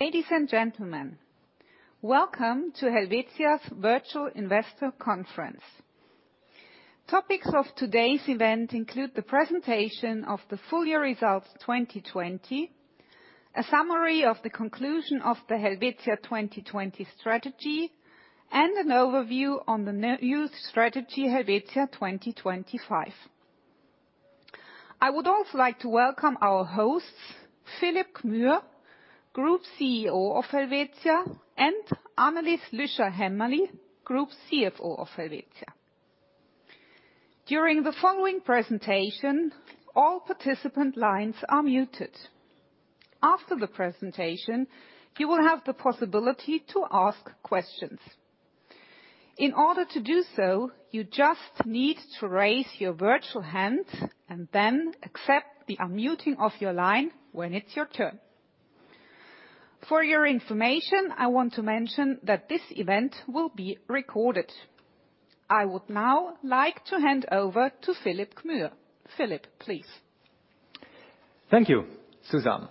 Ladies and gentlemen, welcome to Helvetia's Virtual Investor Conference. Topics of today's event include the presentation of the full year results 2020, a summary of the conclusion of the Helvetia 2020 strategy, and an overview on the new strategy, Helvetia 2025. I would also like to welcome our hosts, Philipp Gmür, Group CEO of Helvetia, and Annelis Lüscher Hämmerli, Group CFO of Helvetia. During the following presentation, all participant lines are muted. After the presentation, you will have the possibility to ask questions. In order to do so, you just need to raise your virtual hand and then accept the unmuting of your line when it's your turn. For your information, I want to mention that this event will be recorded. I would now like to hand over to Philipp Gmür. Philipp, please. Thank you, Susan.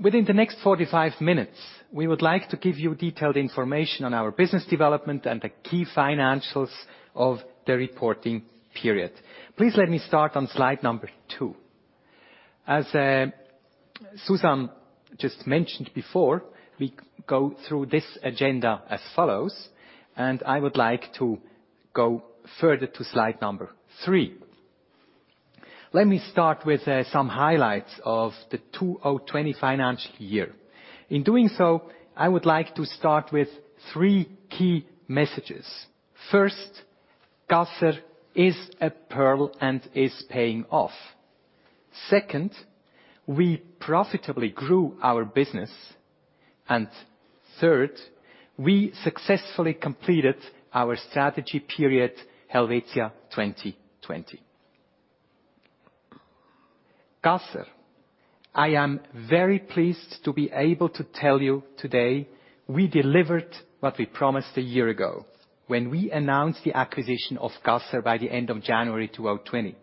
Within the next 45 minutes, we would like to give you detailed information on our business development and the key financials of the reporting period. Please let me start on slide number two. As Susan just mentioned before, we go through this agenda as follows, and I would like to go further to slide number three. Let me start with some highlights of the 2020 financial year. In doing so, I would like to start with three key messages. First, Caser is a pearl and is paying off. Second, we profitably grew our business. Third, we successfully completed our strategy period, Helvetia 2020. Caser, I am very pleased to be able to tell you today we delivered what we promised a year ago when we announced the acquisition of Caser by the end of January 2020.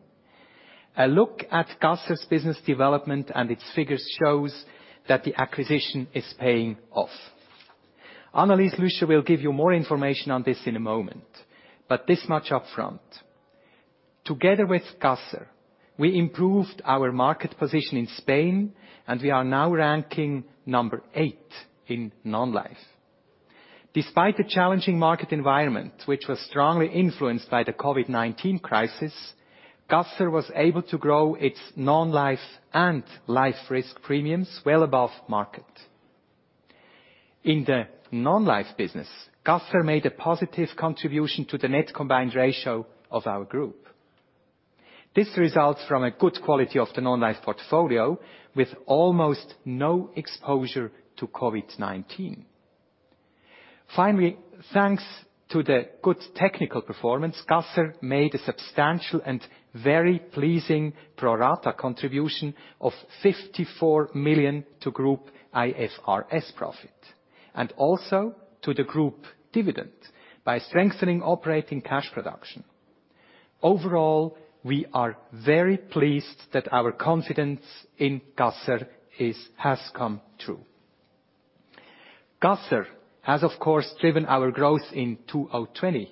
A look at Caser's business development and its figures shows that the acquisition is paying off. Annelis Lüscher will give you more information on this in a moment, this much upfront. Together with Caser, we improved our market position in Spain, we are now ranking number eight in non-life. Despite the challenging market environment, which was strongly influenced by the COVID-19 crisis, Caser was able to grow its non-life and life risk premiums well above market. In the non-life business, Caser made a positive contribution to the net combined ratio of our group. This results from a good quality of the non-life portfolio with almost no exposure to COVID-19. Finally, thanks to the good technical performance, Caser made a substantial and very pleasing pro rata contribution of 54 million to group IFRS profit, also to the group dividend by strengthening operating cash production. Overall, we are very pleased that our confidence in Caser has come true. Caser has, of course, driven our growth in 2020,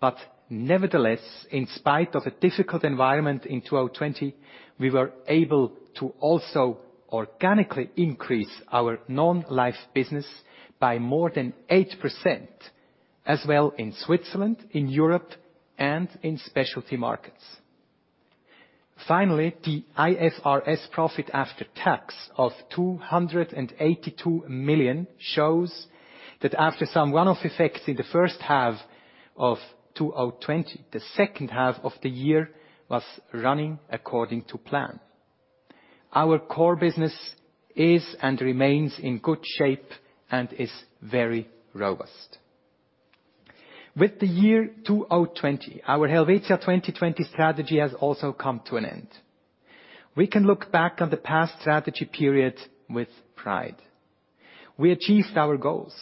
but nevertheless, in spite of a difficult environment in 2020, we were able to also organically increase our non-life business by more than 8%, as well in Switzerland, in Europe, and in specialty markets. Finally, the IFRS profit after tax of 282 million shows that after some one-off effects in the first half of 2020, the second half of the year was running according to plan. Our core business is and remains in good shape and is very robust. With the year 2020, our Helvetia 2020 strategy has also come to an end. We can look back on the past strategy period with pride. We achieved our goals.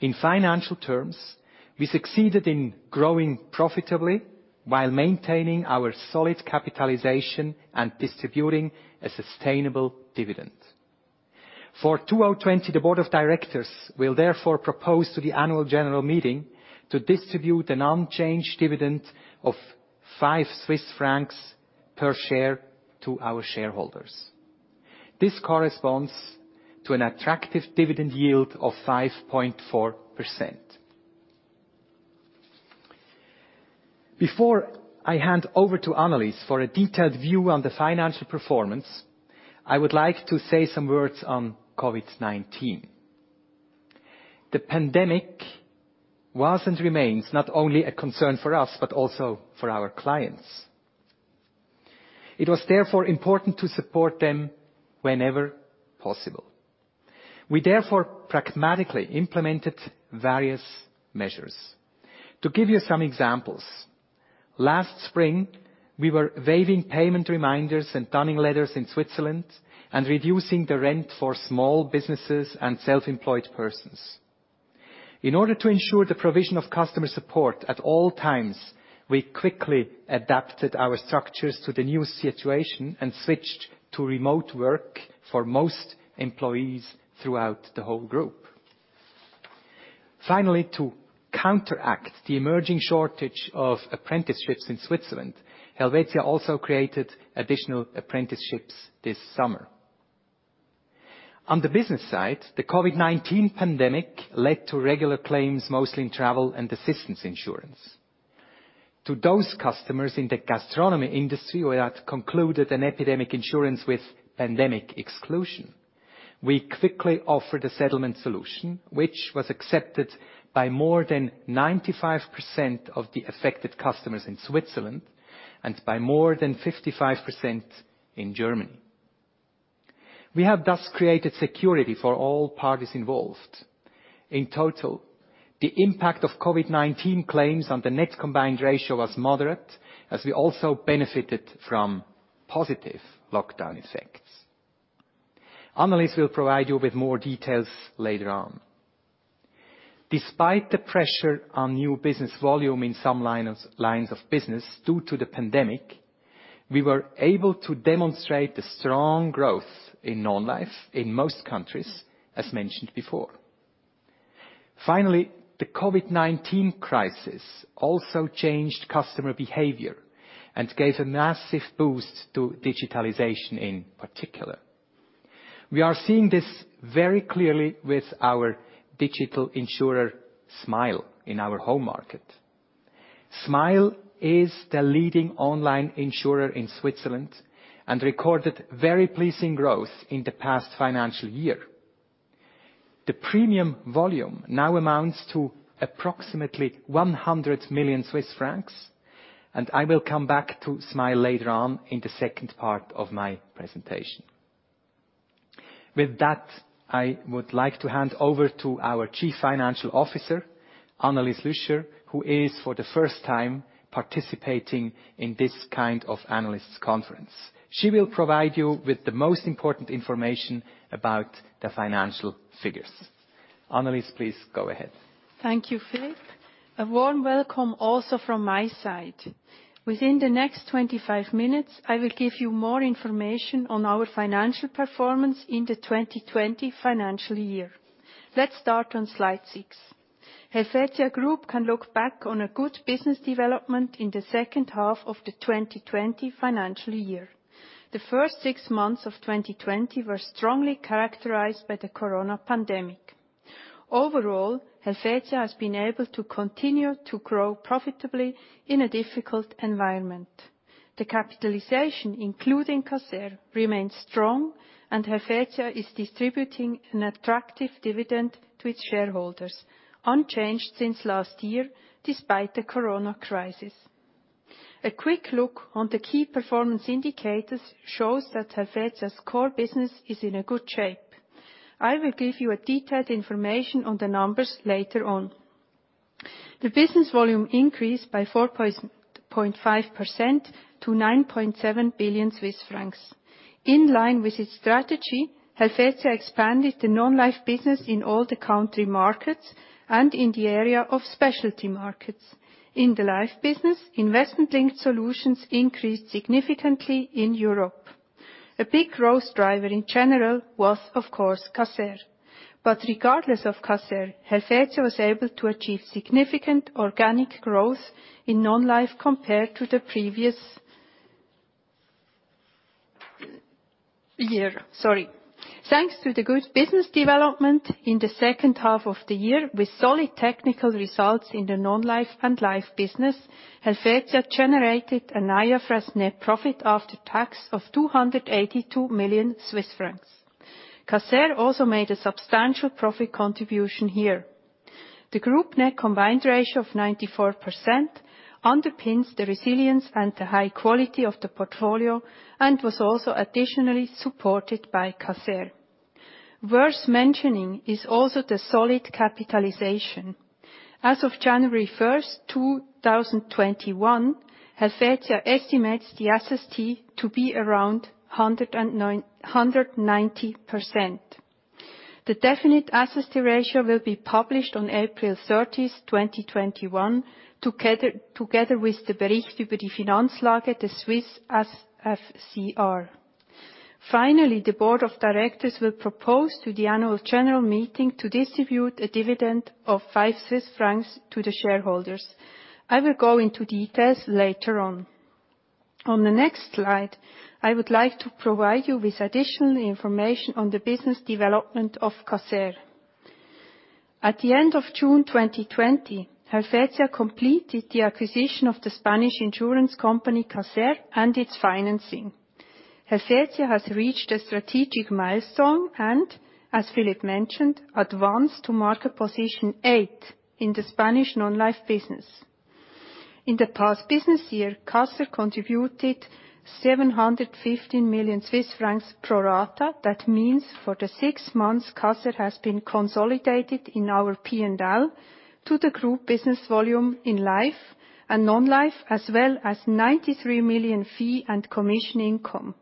In financial terms, we succeeded in growing profitably while maintaining our solid capitalization and distributing a sustainable dividend. For 2020, the board of directors will therefore propose to the annual general meeting to distribute an unchanged dividend of 5 Swiss francs per share to our shareholders. This corresponds to an attractive dividend yield of 5.4%. Before I hand over to Annelise for a detailed view on the financial performance, I would like to say some words on COVID-19. The pandemic was and remains not only a concern for us, but also for our clients. It was therefore important to support them whenever possible. We therefore pragmatically implemented various measures. To give you some examples, last spring, we were waiving payment reminders and dunning letters in Switzerland and reducing the rent for small businesses and self-employed persons. In order to ensure the provision of customer support at all times, we quickly adapted our structures to the new situation and switched to remote work for most employees throughout the whole group. To counteract the emerging shortage of apprenticeships in Switzerland, Helvetia also created additional apprenticeships this summer. On the business side, the COVID-19 pandemic led to regular claims, mostly in travel and assistance insurance. To those customers in the gastronomy industry who had concluded an epidemic insurance with pandemic exclusion, we quickly offered a settlement solution, which was accepted by more than 95% of the affected customers in Switzerland and by more than 55% in Germany. We have thus created security for all parties involved. In total, the impact of COVID-19 claims on the net combined ratio was moderate, as we also benefited from positive lockdown effects. Annelise will provide you with more details later on. Despite the pressure on new business volume in some lines of business due to the pandemic, we were able to demonstrate a strong growth in non-life in most countries, as mentioned before. Finally, the COVID-19 crisis also changed customer behavior and gave a massive boost to digitalization in particular. We are seeing this very clearly with our digital insurer, Smile, in our home market. Smile is the leading online insurer in Switzerland and recorded very pleasing growth in the past financial year. The premium volume now amounts to approximately 100 million Swiss francs, and I will come back to Smile later on in the second part of my presentation. With that, I would like to hand over to our Chief Financial Officer, Annelis Lüscher, who is for the first time participating in this kind of analyst conference. She will provide you with the most important information about the financial figures. Annelis, please go ahead. Thank you, Philipp. A warm welcome also from my side. Within the next 25 minutes, I will give you more information on our financial performance in the 2020 financial year. Let's start on slide six. Helvetia Group can look back on a good business development in the second half of the 2020 financial year. The first six months of 2020 were strongly characterized by the corona pandemic. Overall, Helvetia has been able to continue to grow profitably in a difficult environment. The capitalization, including Caser, remains strong, and Helvetia is distributing an attractive dividend to its shareholders, unchanged since last year, despite the corona crisis. A quick look on the key performance indicators shows that Helvetia's core business is in a good shape. I will give you a detailed information on the numbers later on. The business volume increased by 4.5% to 9.7 billion Swiss francs. In line with its strategy, Helvetia expanded the non-life business in all the country markets and in the area of specialty markets. In the life business, investment-linked solutions increased significantly in Europe. A big growth driver in general was, of course, Caser. Regardless of Caser, Helvetia was able to achieve significant organic growth in non-life compared to the previous year. Sorry. Thanks to the good business development in the second half of the year with solid technical results in the non-life and life business, Helvetia generated an IFRS net profit after tax of 282 million Swiss francs. Caser also made a substantial profit contribution here. The group net combined ratio of 94% underpins the resilience and the high quality of the portfolio and was also additionally supported by Caser. Worth mentioning is also the solid capitalization. As of January 1st, 2021, Helvetia estimates the SST to be around 190%. The definite SST ratio will be published on April 30th, 2021, together with the ‹Bericht über die Finanzlage›, the Swiss SFCR. The Board of Directors will propose to the Annual General Meeting to distribute a dividend of 5 Swiss francs to the shareholders. I will go into details later on. On the next slide, I would like to provide you with additional information on the business development of Caser. At the end of June 2020, Helvetia completed the acquisition of the Spanish insurance company Caser and its financing. Helvetia has reached a strategic milestone and, as Philipp mentioned, advanced to market position eight in the Spanish non-life business. In the past business year, Caser contributed 715 million Swiss francs pro rata. That means for the six months, Caser has been consolidated in our P&L to the group business volume in life and non-life, as well as 93 million fee and commission income.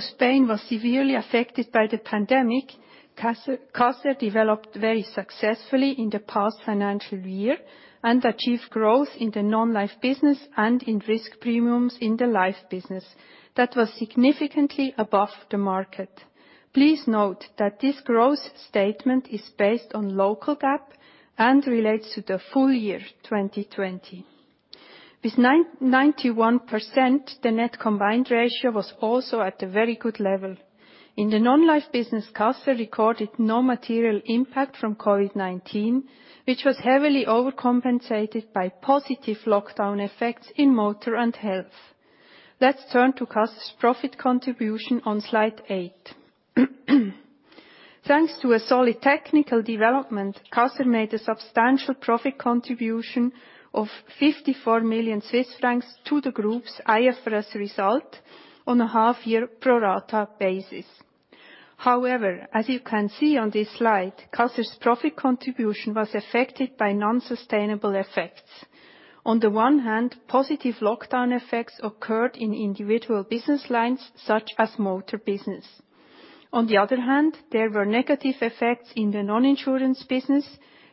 Spain was severely affected by the pandemic, Caser developed very successfully in the past financial year and achieved growth in the non-life business and in risk premiums in the life business that was significantly above the market. Please note that this growth statement is based on local GAAP and relates to the full year 2020. With 91%, the net combined ratio was also at a very good level. In the non-life business, Caser recorded no material impact from COVID-19, which was heavily overcompensated by positive lockdown effects in motor and health. Let's turn to Caser's profit contribution on slide eight. Thanks to a solid technical development, Caser made a substantial profit contribution of 54 million Swiss francs to the group's IFRS result on a half-year pro rata basis. However, as you can see on this slide, Caser's profit contribution was affected by non-sustainable effects. On the one hand, positive lockdown effects occurred in individual business lines such as motor business. On the other hand, there were negative effects in the non-insurance business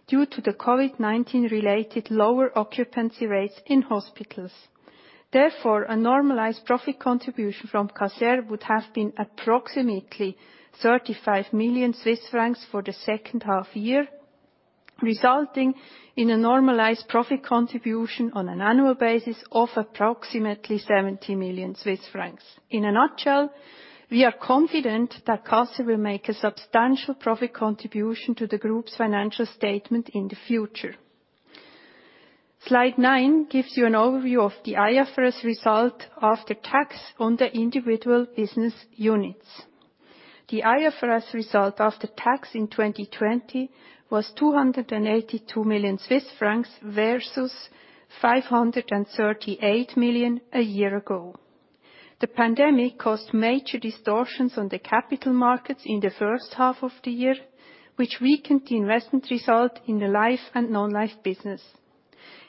due to the COVID-19-related lower occupancy rates in hospitals. Therefore, a normalized profit contribution from Caser would have been approximately 35 million Swiss francs for the second half-year, resulting in a normalized profit contribution on an annual basis of approximately 70 million Swiss francs. In a nutshell, we are confident that Caser will make a substantial profit contribution to the group's financial statement in the future. Slide nine gives you an overview of the IFRS result after tax on the individual business units. The IFRS result after tax in 2020 was 282 million Swiss francs versus 538 million a year ago. The pandemic caused major distortions on the capital markets in the first half of the year, which weakened the investment result in the life and non-life business.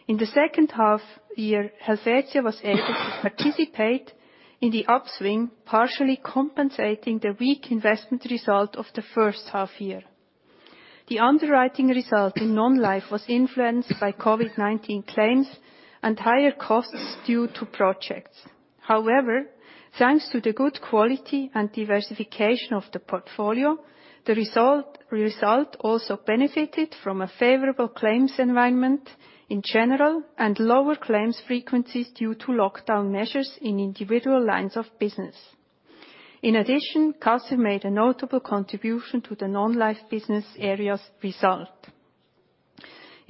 In the second half of the year, Helvetia was able to participate in the upswing, partially compensating the weak investment result of the first half year. The underwriting result in non-life was influenced by COVID-19 claims and higher costs due to projects. Thanks to the good quality and diversification of the portfolio, the result also benefited from a favorable claims environment in general and lower claims frequencies due to lockdown measures in individual lines of business. Caser made a notable contribution to the non-life business area's result.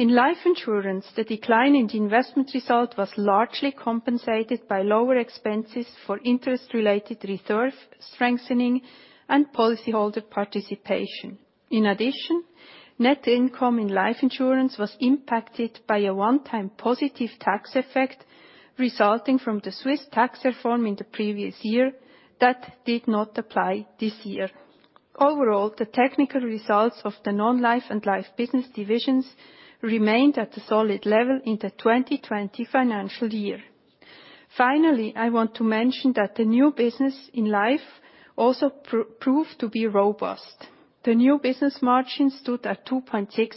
In life insurance, the decline in the investment result was largely compensated by lower expenses for interest-related reserve strengthening and policyholder participation. Net income in life insurance was impacted by a one-time positive tax effect resulting from the Swiss tax reform in the previous year that did not apply this year. The technical results of the non-life and life business divisions remained at a solid level in the 2020 financial year. I want to mention that the new business in life also proved to be robust. The new business margin stood at 2.6%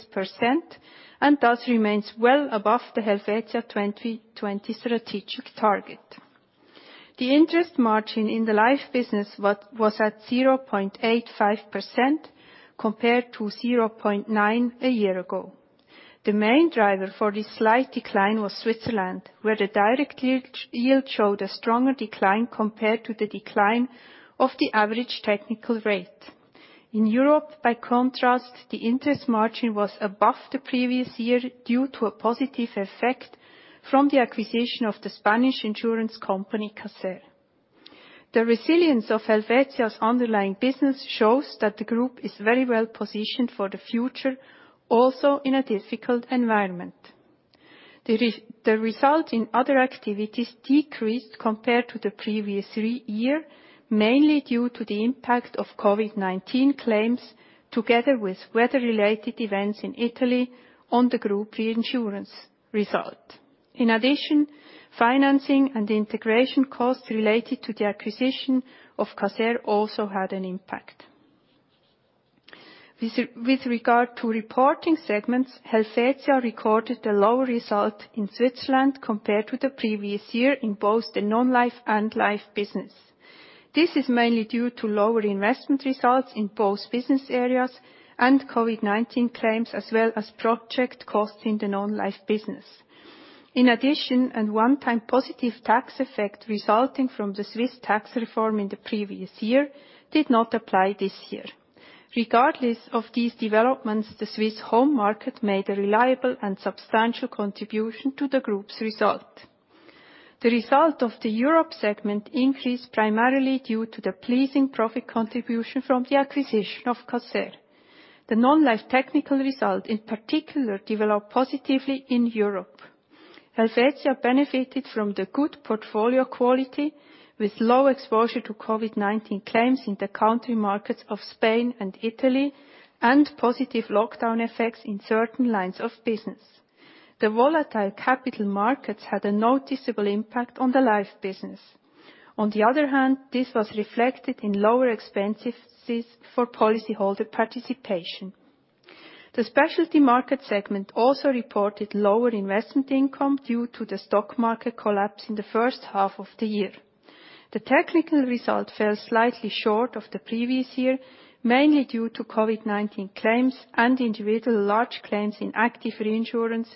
and thus remains well above the Helvetia 2020 strategic target. The interest margin in the life business was at 0.85% compared to 0.9% a year ago. The main driver for this slight decline was Switzerland, where the direct yield showed a stronger decline compared to the decline of the average technical rate. In Europe, by contrast, the interest margin was above the previous year due to a positive effect from the acquisition of the Spanish insurance company, Caser. The resilience of Helvetia's underlying business shows that the group is very well positioned for the future, also in a difficult environment. The result in other activities decreased compared to the previous year, mainly due to the impact of COVID-19 claims together with weather-related events in Italy on the group reinsurance result. In addition, financing and integration costs related to the acquisition of Caser also had an impact. With regard to reporting segments, Helvetia recorded a lower result in Switzerland compared to the previous year in both the non-life and life business. This is mainly due to lower investment results in both business areas and COVID-19 claims, as well as project costs in the non-life business. In addition, a one-time positive tax effect resulting from the Swiss tax reform in the previous year did not apply this year. Regardless of these developments, the Swiss home market made a reliable and substantial contribution to the group's result. The result of the Europe segment increased primarily due to the pleasing profit contribution from the acquisition of Caser. The non-life technical result, in particular, developed positively in Europe. Helvetia benefited from the good portfolio quality with low exposure to COVID-19 claims in the country markets of Spain and Italy and positive lockdown effects in certain lines of business. The volatile capital markets had a noticeable impact on the life business. On the other hand, this was reflected in lower expenses for policyholder participation. The specialty market segment also reported lower investment income due to the stock market collapse in the first half of the year. The technical result fell slightly short of the previous year, mainly due to COVID-19 claims and individual large claims in active reinsurance,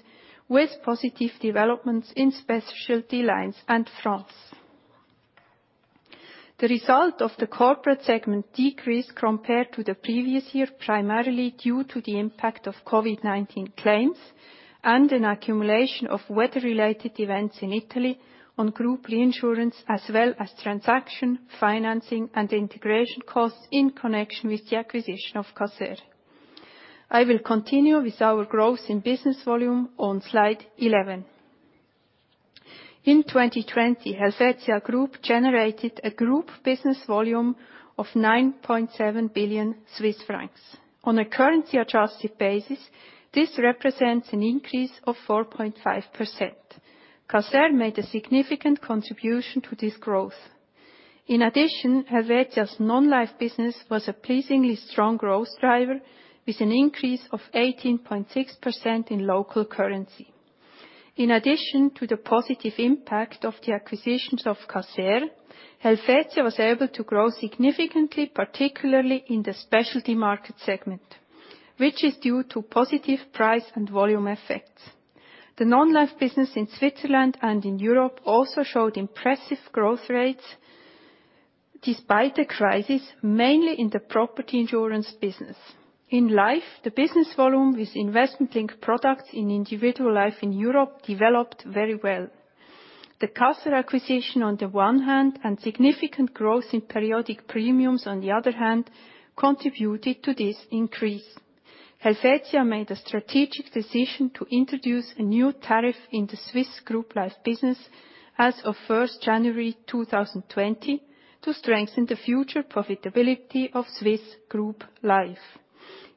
with positive developments in specialty lines and France. The result of the corporate segment decreased compared to the previous year, primarily due to the impact of COVID-19 claims and an accumulation of weather-related events in Italy on group reinsurance, as well as transaction, financing, and integration costs in connection with the acquisition of Caser. I will continue with our growth in business volume on slide 11. In 2020, Helvetia Group generated a group business volume of 9.7 billion Swiss francs. On a currency-adjusted basis, this represents an increase of 4.5%. Caser made a significant contribution to this growth. In addition, Helvetia's non-life business was a pleasingly strong growth driver, with an increase of 18.6% in local currency. In addition to the positive impact of the acquisitions of Caser, Helvetia was able to grow significantly, particularly in the specialty market segment, which is due to positive price and volume effects. The non-life business in Switzerland and in Europe also showed impressive growth rates despite the crisis, mainly in the property insurance business. In life, the business volume with investment-linked products in individual life in Europe developed very well. The Caser acquisition on the one hand, and significant growth in periodic premiums on the other hand, contributed to this increase. Helvetia made a strategic decision to introduce a new tariff in the Swiss group life business as of 1st January 2020 to strengthen the future profitability of Swiss group life.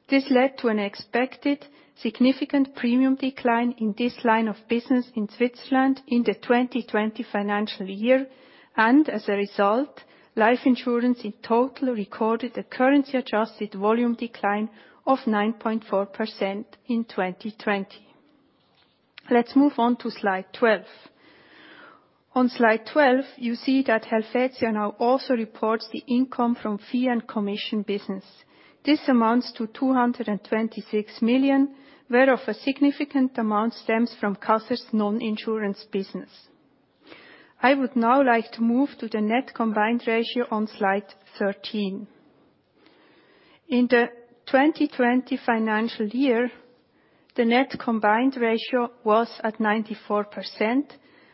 This led to an expected significant premium decline in this line of business in Switzerland in the 2020 financial year, and as a result, life insurance in total recorded a currency-adjusted volume decline of 9.4% in 2020. Let's move on to slide 12. On slide 12, you see that Helvetia now also reports the income from fee and commission business. This amounts to 226 million, whereof a significant amount stems from Caser's non-insurance business. I would now like to move to the net combined ratio on slide 13. In the 2020 financial year, the net combined ratio was at 94%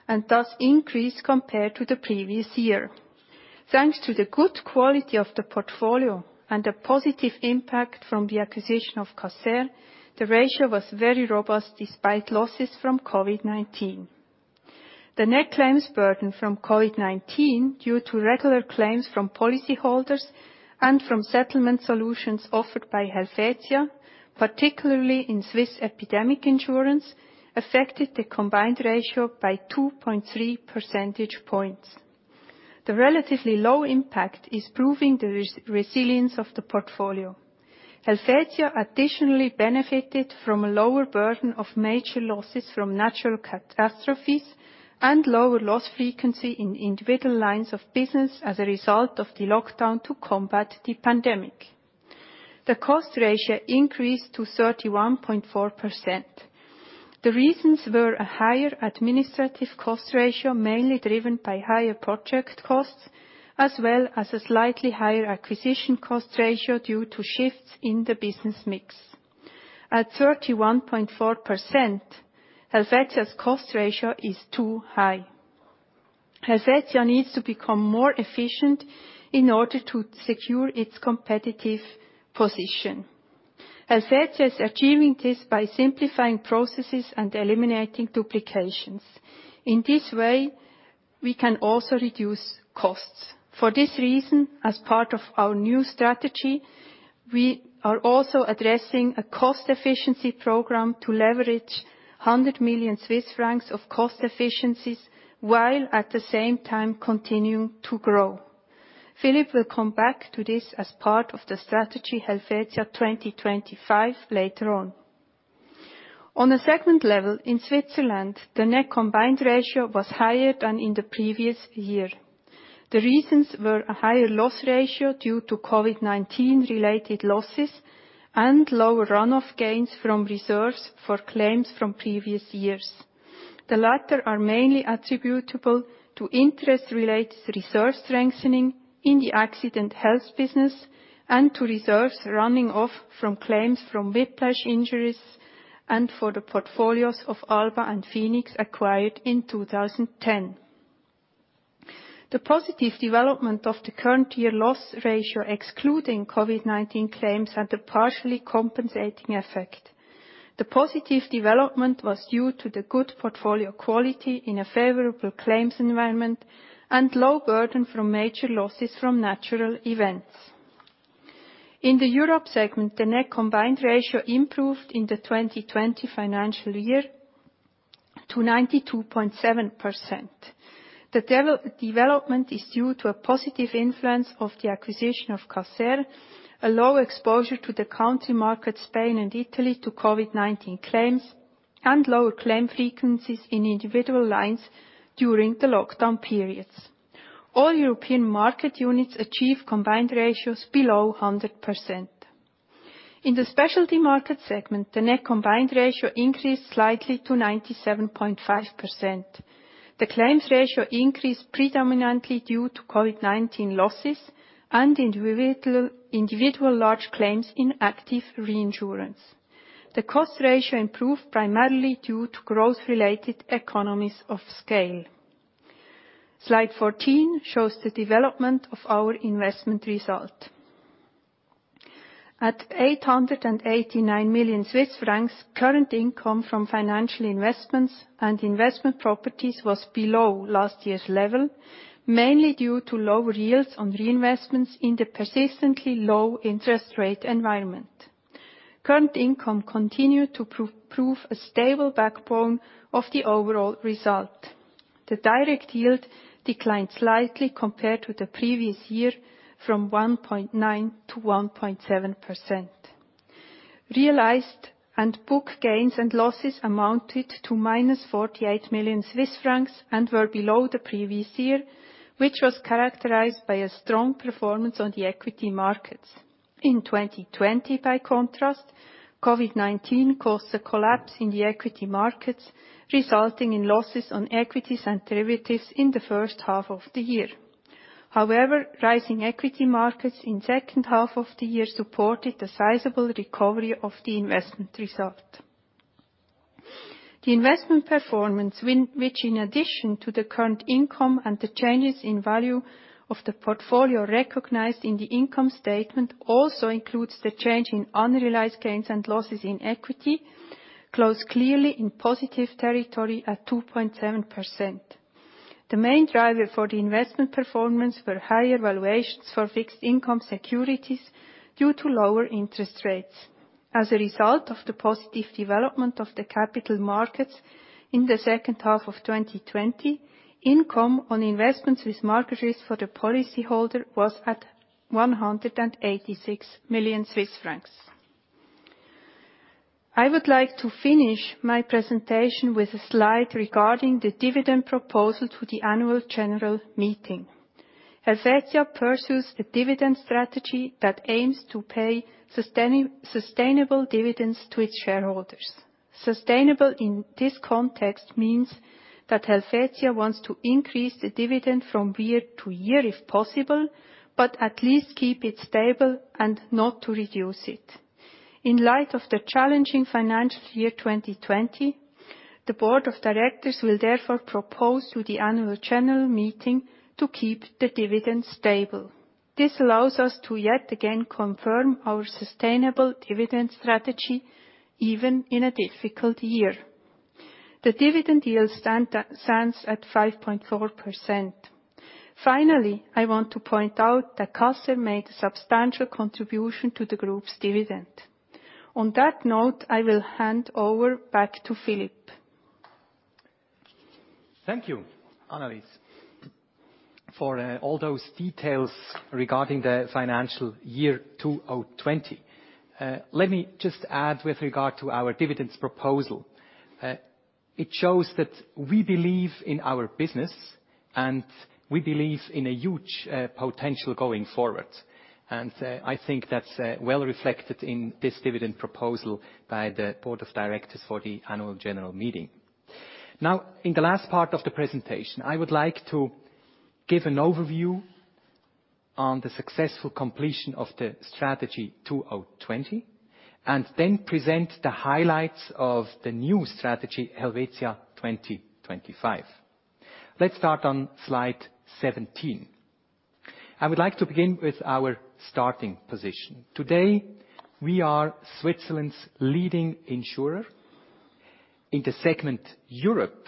and thus increased compared to the previous year. Thanks to the good quality of the portfolio and the positive impact from the acquisition of Caser, the ratio was very robust despite losses from COVID-19. The net claims burden from COVID-19, due to regular claims from policyholders and from settlement solutions offered by Helvetia, particularly in Swiss epidemic insurance, affected the combined ratio by 2.3 percentage points. The relatively low impact is proving the resilience of the portfolio. Helvetia additionally benefited from a lower burden of major losses from natural catastrophes and lower loss frequency in individual lines of business as a result of the lockdown to combat the pandemic. The cost ratio increased to 31.4%. The reasons were a higher administrative cost ratio, mainly driven by higher project costs, as well as a slightly higher acquisition cost ratio due to shifts in the business mix. At 31.4%, Helvetia's cost ratio is too high. Helvetia needs to become more efficient in order to secure its competitive position. Helvetia is achieving this by simplifying processes and eliminating duplications. In this way, we can also reduce costs. For this reason, as part of our new strategy, we are also addressing a cost efficiency program to leverage 100 million Swiss francs of cost efficiencies while at the same time continuing to grow. Philipp will come back to this as part of the strategy Helvetia 2025 later on. On a segment level in Switzerland, the net combined ratio was higher than in the previous year. The reasons were a higher loss ratio due to COVID-19-related losses and lower run-off gains from reserves for claims from previous years. The latter are mainly attributable to interest-related reserve strengthening in the accident health business and to reserves running off from claims from whiplash injuries and for the portfolios of Alba and Phenix acquired in 2010. The positive development of the current year loss ratio excluding COVID-19 claims had a partially compensating effect. The positive development was due to the good portfolio quality in a favorable claims environment and low burden from major losses from natural events. In the Europe segment, the net combined ratio improved in the 2020 financial year to 92.7%. The development is due to a positive influence of the acquisition of Caser, a low exposure to the country market, Spain and Italy to COVID-19 claims, and lower claim frequencies in individual lines during the lockdown periods. All European market units achieve combined ratios below 100%. In the specialty market segment, the net combined ratio increased slightly to 97.5%. The claims ratio increased predominantly due to COVID-19 losses and individual large claims in active reinsurance. The cost ratio improved primarily due to growth-related economies of scale. Slide 14 shows the development of our investment result. At 889 million Swiss francs, current income from financial investments and investment properties was below last year's level, mainly due to lower yields on reinvestments in the persistently low interest rate environment. Current income continued to prove a stable backbone of the overall result. The direct yield declined slightly compared to the previous year from 1.9%-1.7%. Realized and book gains and losses amounted to -48 million Swiss francs and were below the previous year, which was characterized by a strong performance on the equity markets. In 2020, by contrast, COVID-19 caused a collapse in the equity markets, resulting in losses on equities and derivatives in the first half of the year. Rising equity markets in second half of the year supported a sizable recovery of the investment result. The investment performance, which in addition to the current income and the changes in value of the portfolio recognized in the income statement, also includes the change in unrealized gains and losses in equity, closed clearly in positive territory at 2.7%. The main driver for the investment performance were higher valuations for fixed income securities due to lower interest rates. As a result of the positive development of the capital markets in the second half of 2020, income on investments with market risk for the policy holder was at 186 million Swiss francs. I would like to finish my presentation with a slide regarding the dividend proposal to the annual general meeting. Helvetia pursues a dividend strategy that aims to pay sustainable dividends to its shareholders. Sustainable in this context means that Helvetia wants to increase the dividend from year to year if possible, but at least keep it stable and not to reduce it. In light of the challenging financial year 2020, the board of directors will therefore propose to the annual general meeting to keep the dividend stable. This allows us to yet again confirm our sustainable dividend strategy, even in a difficult year. The dividend yield stands at 5.4%. Finally, I want to point out that Caser made a substantial contribution to the group's dividend. On that note, I will hand over back to Philipp. Thank you, Annelis, for all those details regarding the financial year 2020. Let me just add with regard to our dividends proposal. It shows that we believe in our business, and we believe in a huge potential going forward. I think that's well reflected in this dividend proposal by the board of directors for the annual general meeting. Now, in the last part of the presentation, I would like to give an overview on the successful completion of the Strategy 2020, and then present the highlights of the new strategy, Helvetia 2025. Let's start on slide 17. I would like to begin with our starting position. Today, we are Switzerland's leading insurer. In the segment Europe,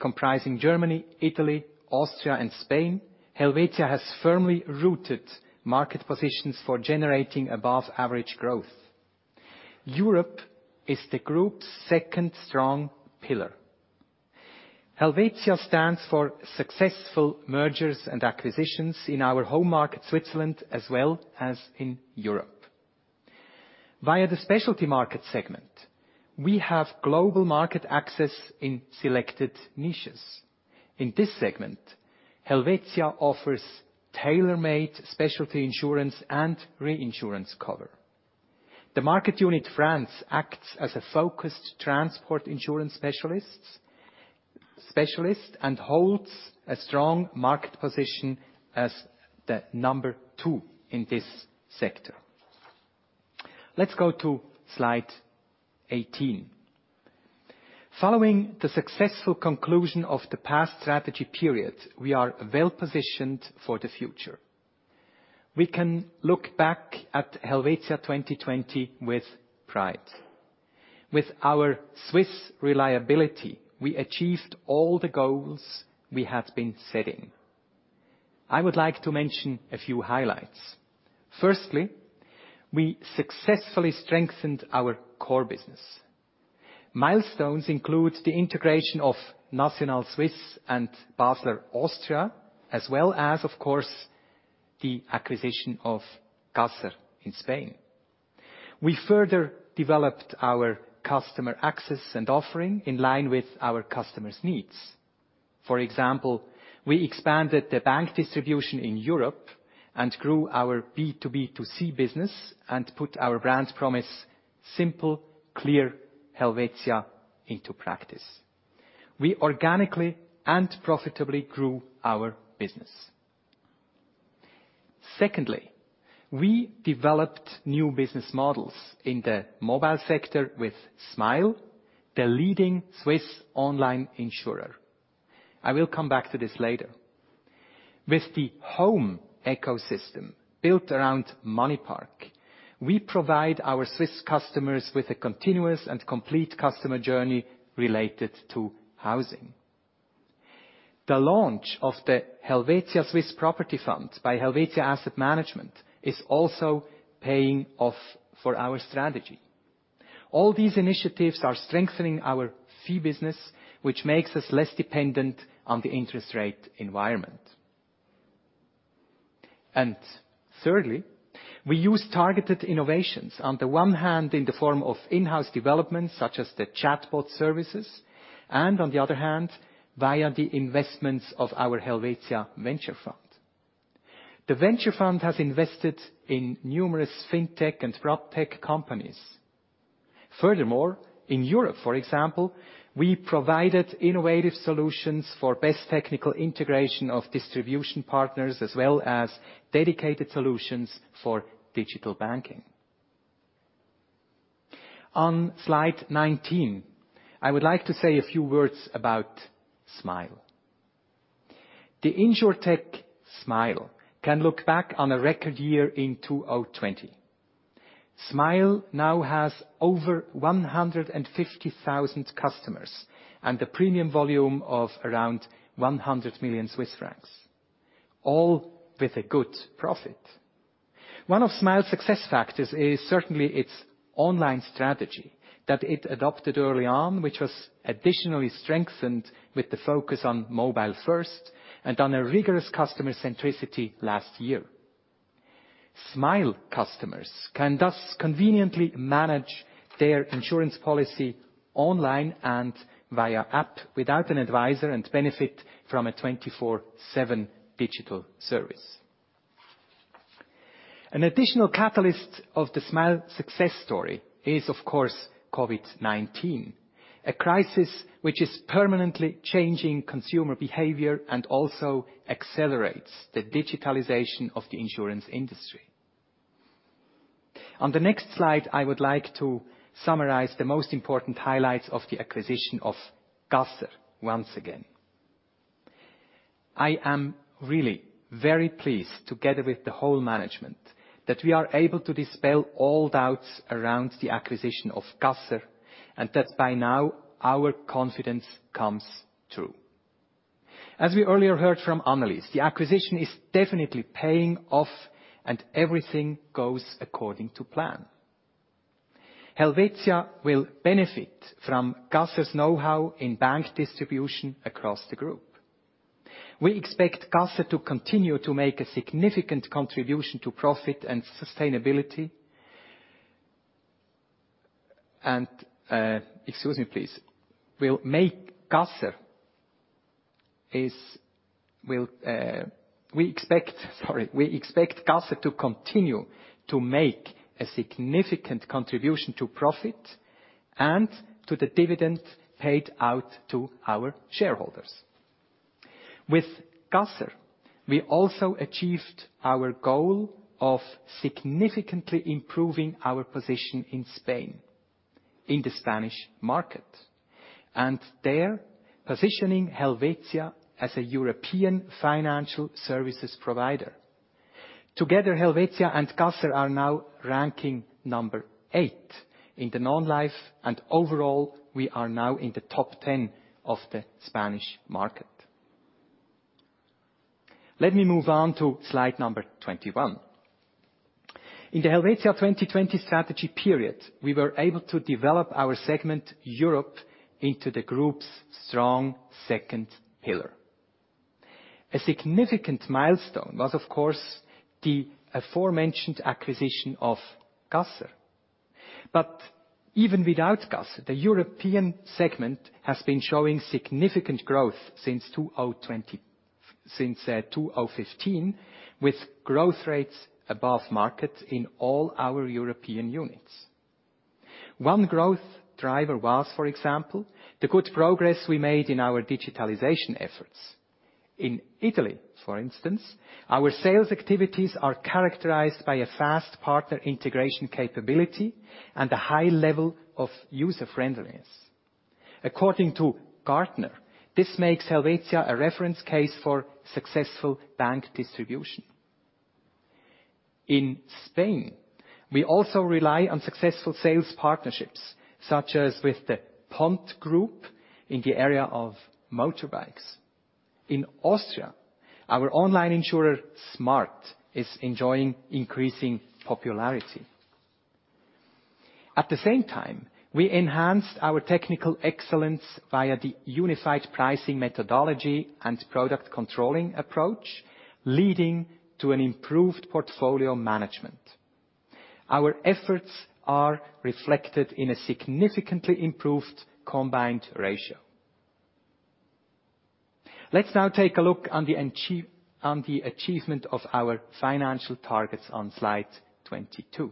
comprising Germany, Italy, Austria, and Spain, Helvetia has firmly rooted market positions for generating above-average growth. Europe is the group's second strong pillar. Helvetia stands for successful mergers and acquisitions in our home market, Switzerland, as well as in Europe. Via the specialty market segment, we have global market access in selected niches. In this segment, Helvetia offers tailor-made specialty insurance and reinsurance cover. The market unit France acts as a focused transport insurance specialist and holds a strong market position as the number two in this sector. Let's go to slide 18. Following the successful conclusion of the past strategy period, we are well-positioned for the future. We can look back at Helvetia 2020 with pride. With our Swiss reliability, we achieved all the goals we had been setting. I would like to mention a few highlights. Firstly, we successfully strengthened our core business. Milestones include the integration of Nationale Suisse and Basler Austria, as well as, of course, the acquisition of Caser in Spain. We further developed our customer access and offering in line with our customers' needs. For example, we expanded the bank distribution in Europe and grew our B2B2C business and put our brand promise, simple, clear Helvetia, into practice. We organically and profitably grew our business. Secondly, we developed new business models in the mobile sector with Smile, the leading Swiss online insurer. I will come back to this later. With the home ecosystem built around MoneyPark, we provide our Swiss customers with a continuous and complete customer journey related to housing. The launch of the Helvetia Swiss Property Fund by Helvetia Asset Management is also paying off for our strategy. All these initiatives are strengthening our fee business, which makes us less dependent on the interest rate environment. Thirdly, we use targeted innovations, on the one hand, in the form of in-house developments such as the chatbot services and on the other hand, via the investments of our Helvetia Venture Fund. The Venture Fund has invested in numerous fintech and proptech companies. In Europe, for example, we provided innovative solutions for best technical integration of distribution partners, as well as dedicated solutions for digital banking. On slide 19, I would like to say a few words about Smile. The insurtech Smile can look back on a record year in 2020. Smile now has over 150,000 customers and a premium volume of around 100 million Swiss francs, all with a good profit. One of Smile's success factors is certainly its online strategy that it adopted early on, which was additionally strengthened with the focus on mobile first and on a rigorous customer centricity last year. Smile customers can thus conveniently manage their insurance policy online and via app without an advisor and benefit from a 24/7 digital service. An additional catalyst of the Smile success story is, of course, COVID-19, a crisis which is permanently changing consumer behavior and also accelerates the digitalization of the insurance industry. On the next slide, I would like to summarize the most important highlights of the acquisition of Caser once again. I am really very pleased together with the whole management that we are able to dispel all doubts around the acquisition of Caser, and that by now our confidence comes through. As we earlier heard from Annelis, the acquisition is definitely paying off and everything goes according to plan. Helvetia will benefit from Caser's know-how in bank distribution across the group. We expect Caser to continue to make a significant contribution to profit and sustainability. Excuse me, please. We expect Caser to continue to make a significant contribution to profit and to the dividend paid out to our shareholders. With Caser, we also achieved our goal of significantly improving our position in Spain, in the Spanish market, and there positioning Helvetia as a European financial services provider. Together, Helvetia and Caser are now ranking number eight in the non-life, and overall, we are now in the top 10 of the Spanish market. Let me move on to slide number 21. In the Helvetia 2020 strategy period, we were able to develop our segment Europe into the group's strong second pillar. A significant milestone was, of course, the aforementioned acquisition of Caser. Even without Caser, the European segment has been showing significant growth since 2015, with growth rates above market in all our European units. One growth driver was, for example, the good progress we made in our digitalization efforts. In Italy, for instance, our sales activities are characterized by a fast partner integration capability and a high level of user-friendliness. According to Gartner, this makes Helvetia a reference case for successful bank distribution. In Spain, we also rely on successful sales partnerships, such as with the Pont Grup in the area of motorbikes. In Austria, our online insurer, Smile, is enjoying increasing popularity. At the same time, we enhanced our technical excellence via the unified pricing methodology and product controlling approach, leading to an improved portfolio management. Our efforts are reflected in a significantly improved combined ratio. Let's now take a look on the achievement of our financial targets on slide 22.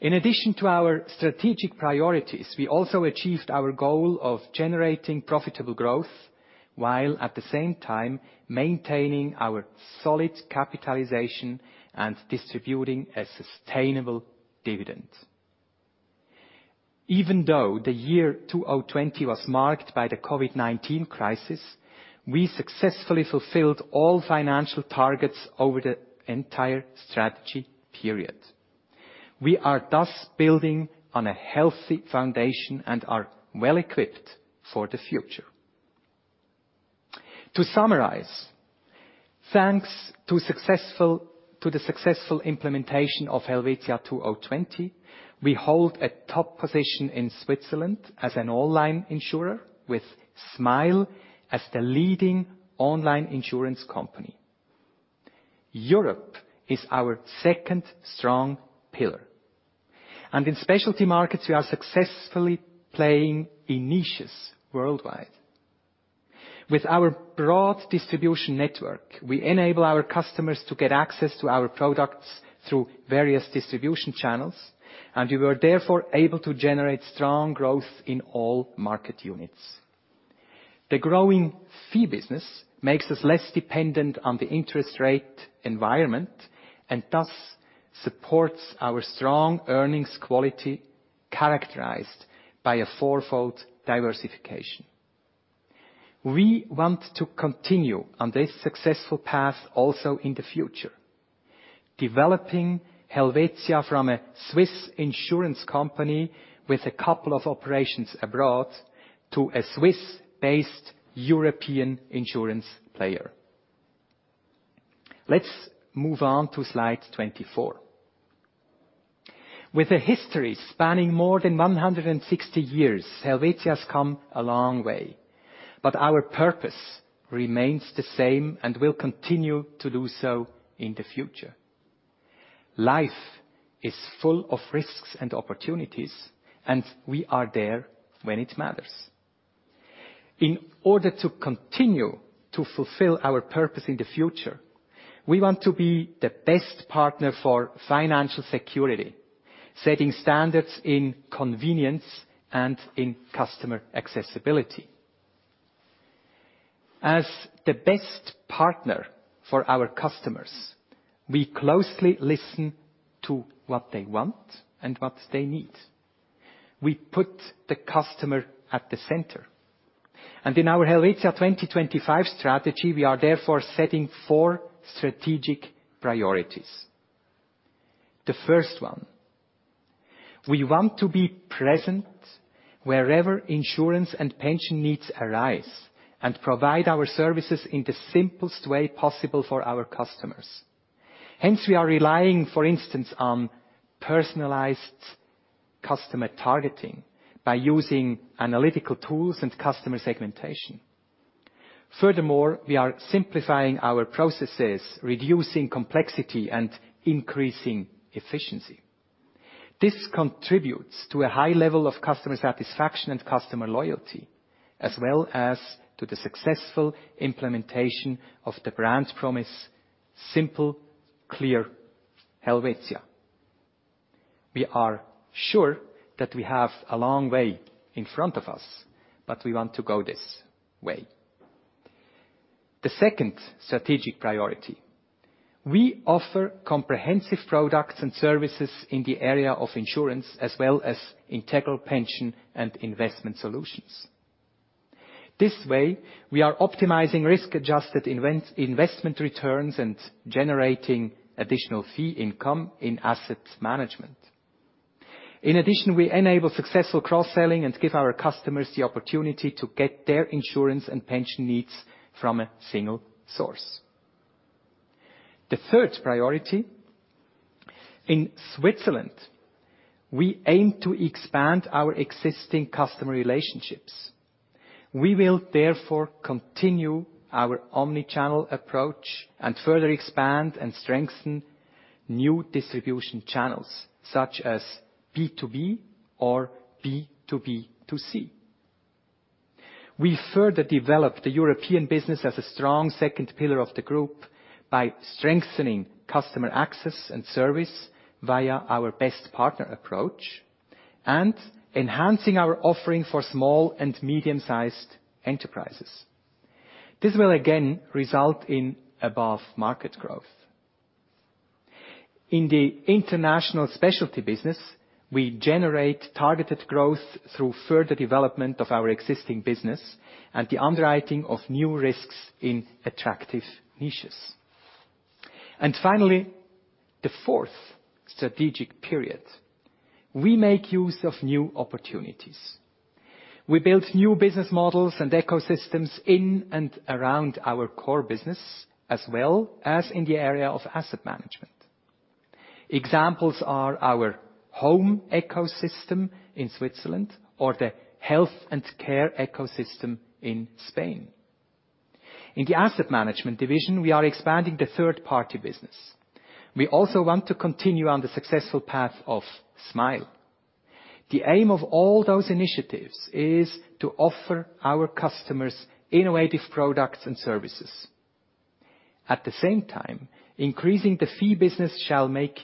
In addition to our strategic priorities, we also achieved our goal of generating profitable growth, while at the same time maintaining our solid capitalization and distributing a sustainable dividend. Even though the year 2020 was marked by the COVID-19 crisis, we successfully fulfilled all financial targets over the entire strategy period. We are thus building on a healthy foundation and are well-equipped for the future. To summarize, thanks to the successful implementation of Helvetia 2020, we hold a top position in Switzerland as an online insurer with Smile as the leading online insurance company. Europe is our second strong pillar, and in specialty markets, we are successfully playing in niches worldwide. With our broad distribution network, we enable our customers to get access to our products through various distribution channels, and we were therefore able to generate strong growth in all market units. The growing fee business makes us less dependent on the interest rate environment and thus supports our strong earnings quality, characterized by a four-fold diversification. We want to continue on this successful path also in the future, developing Helvetia from a Swiss insurance company with a couple of operations abroad to a Swiss-based European insurance player. Let's move on to slide 24. With a history spanning more than 160 years, Helvetia has come a long way. Our purpose remains the same and will continue to do so in the future. Life is full of risks and opportunities, and we are there when it matters. In order to continue to fulfill our purpose in the future, we want to be the best partner for financial security, setting standards in convenience and in customer accessibility. As the best partner for our customers, we closely listen to what they want and what they need. We put the customer at the center. In our Helvetia 2025 strategy, we are therefore setting four strategic priorities. The first one, we want to be present wherever insurance and pension needs arise and provide our services in the simplest way possible for our customers. Hence, we are relying, for instance, on personalized customer targeting by using analytical tools and customer segmentation. Furthermore, we are simplifying our processes, reducing complexity, and increasing efficiency. This contributes to a high level of customer satisfaction and customer loyalty, as well as to the successful implementation of the brand promise, simple, clear Helvetia. We are sure that we have a long way in front of us, but we want to go this way. The second strategic priority, we offer comprehensive products and services in the area of insurance as well as integral pension and investment solutions. This way, we are optimizing risk-adjusted investment returns and generating additional fee income in asset management. In addition, we enable successful cross-selling and give our customers the opportunity to get their insurance and pension needs from a single source. The third priority, in Switzerland, we aim to expand our existing customer relationships. We will therefore continue our omni-channel approach and further expand and strengthen new distribution channels, such as B2B or B2B2C. We further develop the European business as a strong second pillar of the group by strengthening customer access and service via our best partner approach and enhancing our offering for small and medium-sized enterprises. This will again result in above-market growth. In the international specialty business, we generate targeted growth through further development of our existing business and the underwriting of new risks in attractive niches. Finally, the fourth strategic period, we make use of new opportunities. We build new business models and ecosystems in and around our core business, as well as in the area of asset management. Examples are our home ecosystem in Switzerland or the health and care ecosystem in Spain. In the asset management division, we are expanding the third-party business. We also want to continue on the successful path of Smile. The aim of all those initiatives is to offer our customers innovative products and services. At the same time, increasing the fee business shall make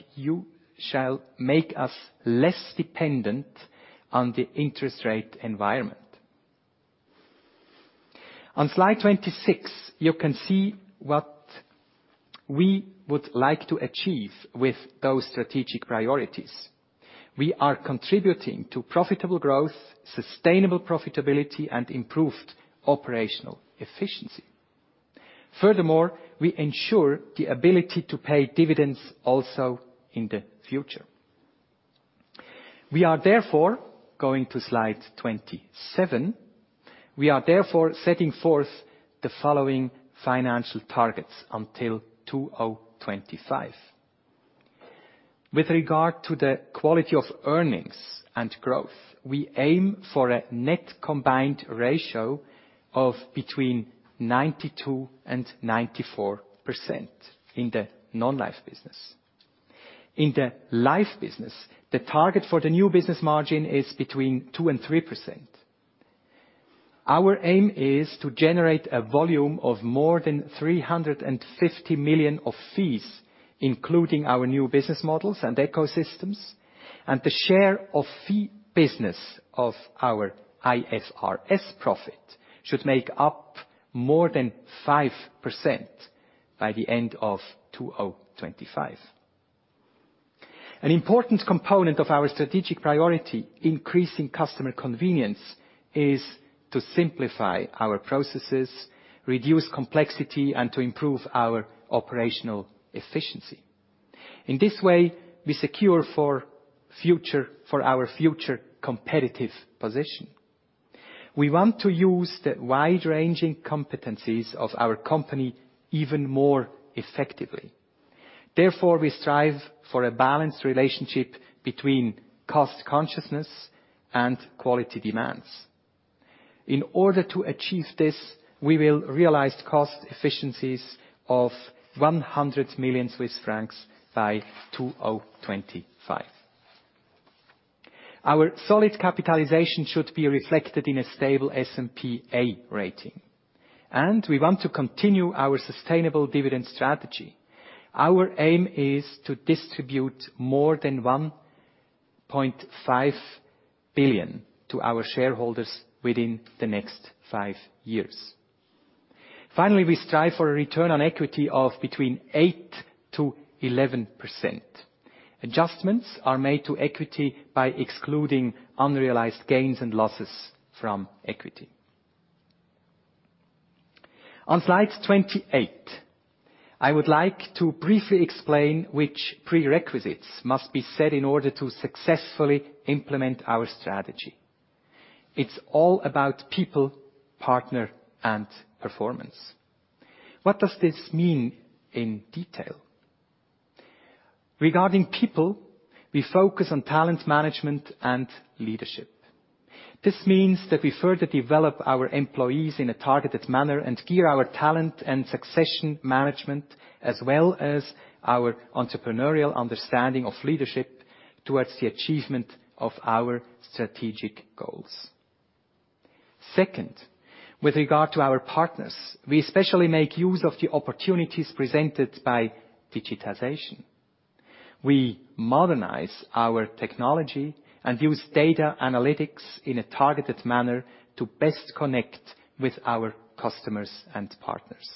us less dependent on the interest rate environment. On slide 26, you can see what we would like to achieve with those strategic priorities. We are contributing to profitable growth, sustainable profitability, and improved operational efficiency. Furthermore, we ensure the ability to pay dividends also in the future. We are therefore going to slide 27. We are therefore setting forth the following financial targets until 2025. With regard to the quality of earnings and growth, we aim for a net combined ratio of between 92% and 94% in the non-life business. In the life business, the target for the new business margin is between 2% and 3%. Our aim is to generate a volume of more than 350 million of fees, including our new business models and ecosystems, and the share of fee business of our IFRS profit should make up more than 5% by the end of 2025. An important component of our strategic priority, increasing customer convenience, is to simplify our processes, reduce complexity, and to improve our operational efficiency. In this way, we secure for our future competitive position. We want to use the wide-ranging competencies of our company even more effectively. Therefore, we strive for a balanced relationship between cost consciousness and quality demands. In order to achieve this, we will realize cost efficiencies of 100 million Swiss francs by 2025. Our solid capitalization should be reflected in a stable S&P A rating, and we want to continue our sustainable dividend strategy. Our aim is to distribute more than 1.5 billion to our shareholders within the next five years. Finally, we strive for a return on equity of between 8%-11%. Adjustments are made to equity by excluding unrealized gains and losses from equity. On slide 28, I would like to briefly explain which prerequisites must be set in order to successfully implement our strategy. It is all about people, partner, and performance. What does this mean in detail? Regarding people, we focus on talent management and leadership. This means that we further develop our employees in a targeted manner and gear our talent and succession management, as well as our entrepreneurial understanding of leadership towards the achievement of our strategic goals. Second, with regard to our partners, we especially make use of the opportunities presented by digitization. We modernize our technology and use data analytics in a targeted manner to best connect with our customers and partners.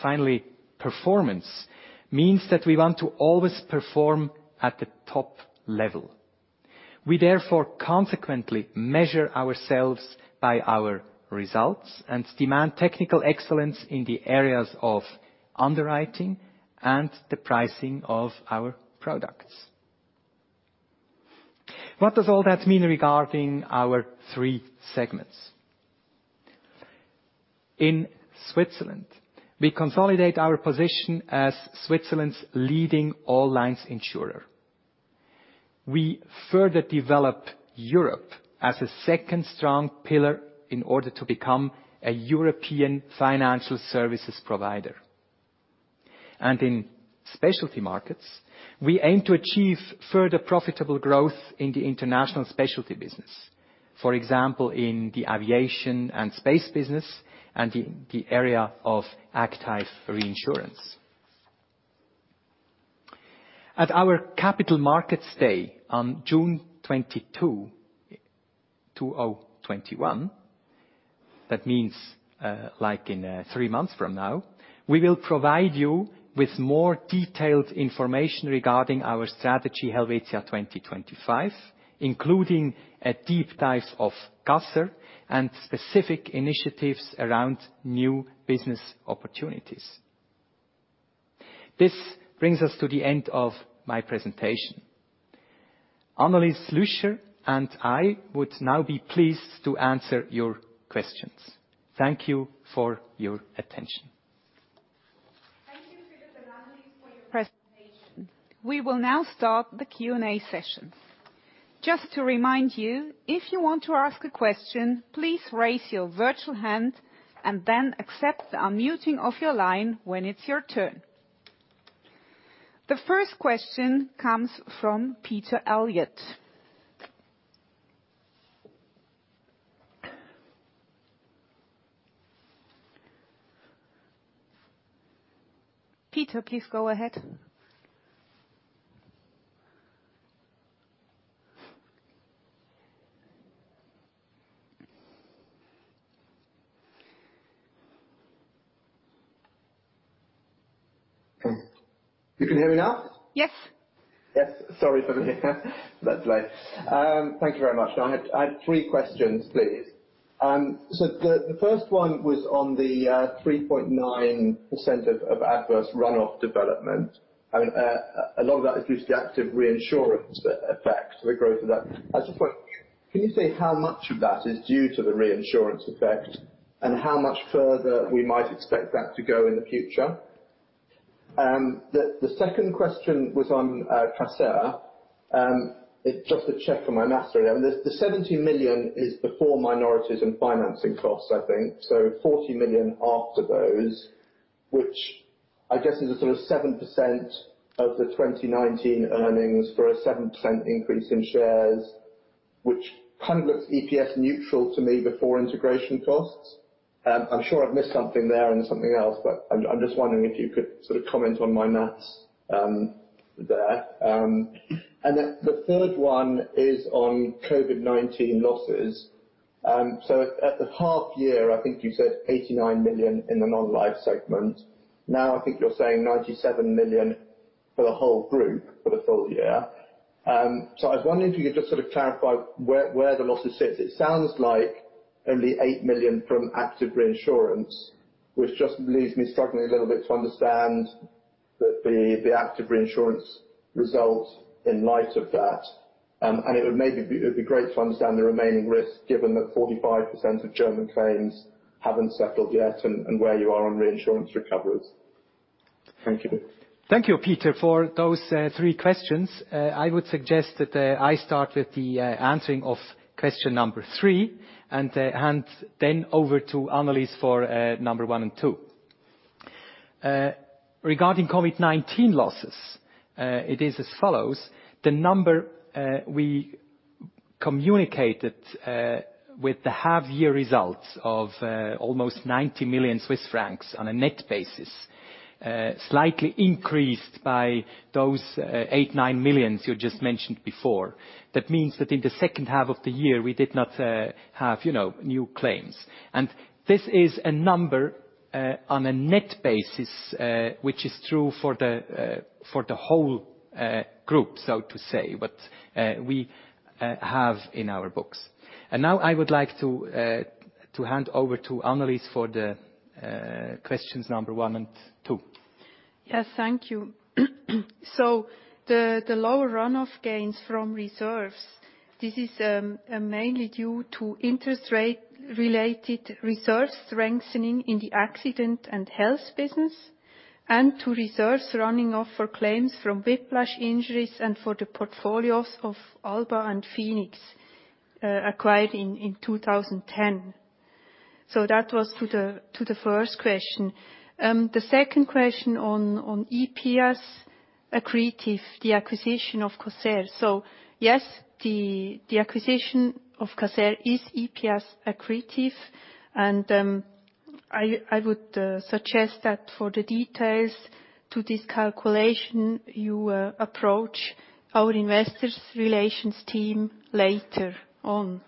Finally, performance means that we want to always perform at the top level. We therefore consequently measure ourselves by our results and demand technical excellence in the areas of underwriting and the pricing of our products. What does all that mean regarding our three segments? In Switzerland, we consolidate our position as Switzerland's leading all lines insurer. We further develop Europe as a second strong pillar in order to become a European financial services provider. In specialty markets, we aim to achieve further profitable growth in the international specialty business. For example, in the aviation and space business and in the area of active reinsurance. At our Capital Markets Day on June 22, 2021. That means like in three months from now, we will provide you with more detailed information regarding our strategy, Helvetia 2025, including a deep dive of CASER and specific initiatives around new business opportunities. This brings us to the end of my presentation. Annelis Lüscher and I would now be pleased to answer your questions. Thank you for your attention. Thank you, Philipp and Annelise for your presentation. We will now start the Q&A session. Just to remind you, if you want to ask a question, please raise your virtual hand and then accept the unmuting of your line when it's your turn. The first question comes from Peter Eliot. Peter, please go ahead. You can hear me now? Yes. Yes. Sorry for the delay. Thank you very much. I have three questions, please. The first one was on the 3.9% of adverse runoff development. I mean, a lot of that is due to the active reinsurance effect, the growth of that. I was just wondering, can you say how much of that is due to the reinsurance effect and how much further we might expect that to go in the future? The second question was on Caser. Just to check on my math, the 70 million is before minorities and financing costs, I think, 40 million after those, which I guess is a sort of 7% of the 2019 earnings for a 7% increase in shares, which kind of looks EPS neutral to me before integration costs. I'm sure I've missed something there and something else, but I'm just wondering if you could sort of comment on my math there. The third one is on COVID-19 losses. At the half year, I think you said 89 million in the non-life segment. Now I think you're saying 97 million for the whole group for the full year. I was wondering if you could just sort of clarify where the losses sit. It sounds like only 8 million from active reinsurance, which just leaves me struggling a little bit to understand the active reinsurance result in light of that. It would be great to understand the remaining risk, given that 45% of German claims haven't settled yet and where you are on reinsurance recoveries. Thank you. Thank you, Peter Eliot, for those three questions. I would suggest that I start with the answering of question number three and hand then over to Annelis for number one and two. Regarding COVID-19 losses, it is as follows. The number we communicated with the half-year results of almost 90 million Swiss francs on a net basis, slightly increased by those 8 million, 9 million you just mentioned before. In the second half of the year, we did not have new claims. This is a number on a net basis, which is true for the whole group, so to say, what we have in our books. Now I would like to hand over to Annelis for the questions number one and two. Yes, thank you. The lower runoff gains from reserves, this is mainly due to interest rate related reserves strengthening in the accident and health business and to reserves running off for claims from whiplash injuries and for the portfolios of Alba and Phenix acquired in 2010. That was to the first question. The second question on EPS accretive, the acquisition of Caser. Yes, the acquisition of Caser is EPS accretive, and I would suggest that for the details to this calculation, you approach our investors relations team later on.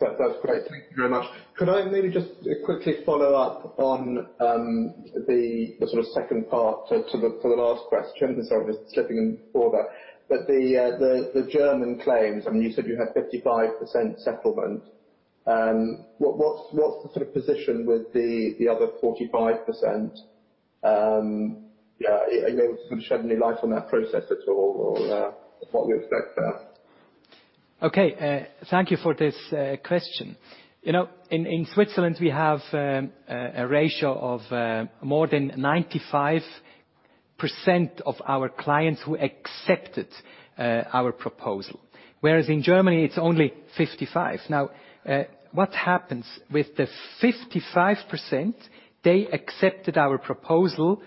That's great. Thank you very much. Could I maybe just quickly follow up on the sort of second part to the last question? Sorry for slipping in order. The German claims, I mean, you said you had 55% settlement. What's the sort of position with the other 45%? Are you able to sort of shed any light on that process at all or what you expect there? Okay, thank you for this question. In Switzerland, we have a ratio of more than 95% of our clients who accepted our proposal. In Germany it's only 55%. What happens with the 55%, they accepted our proposal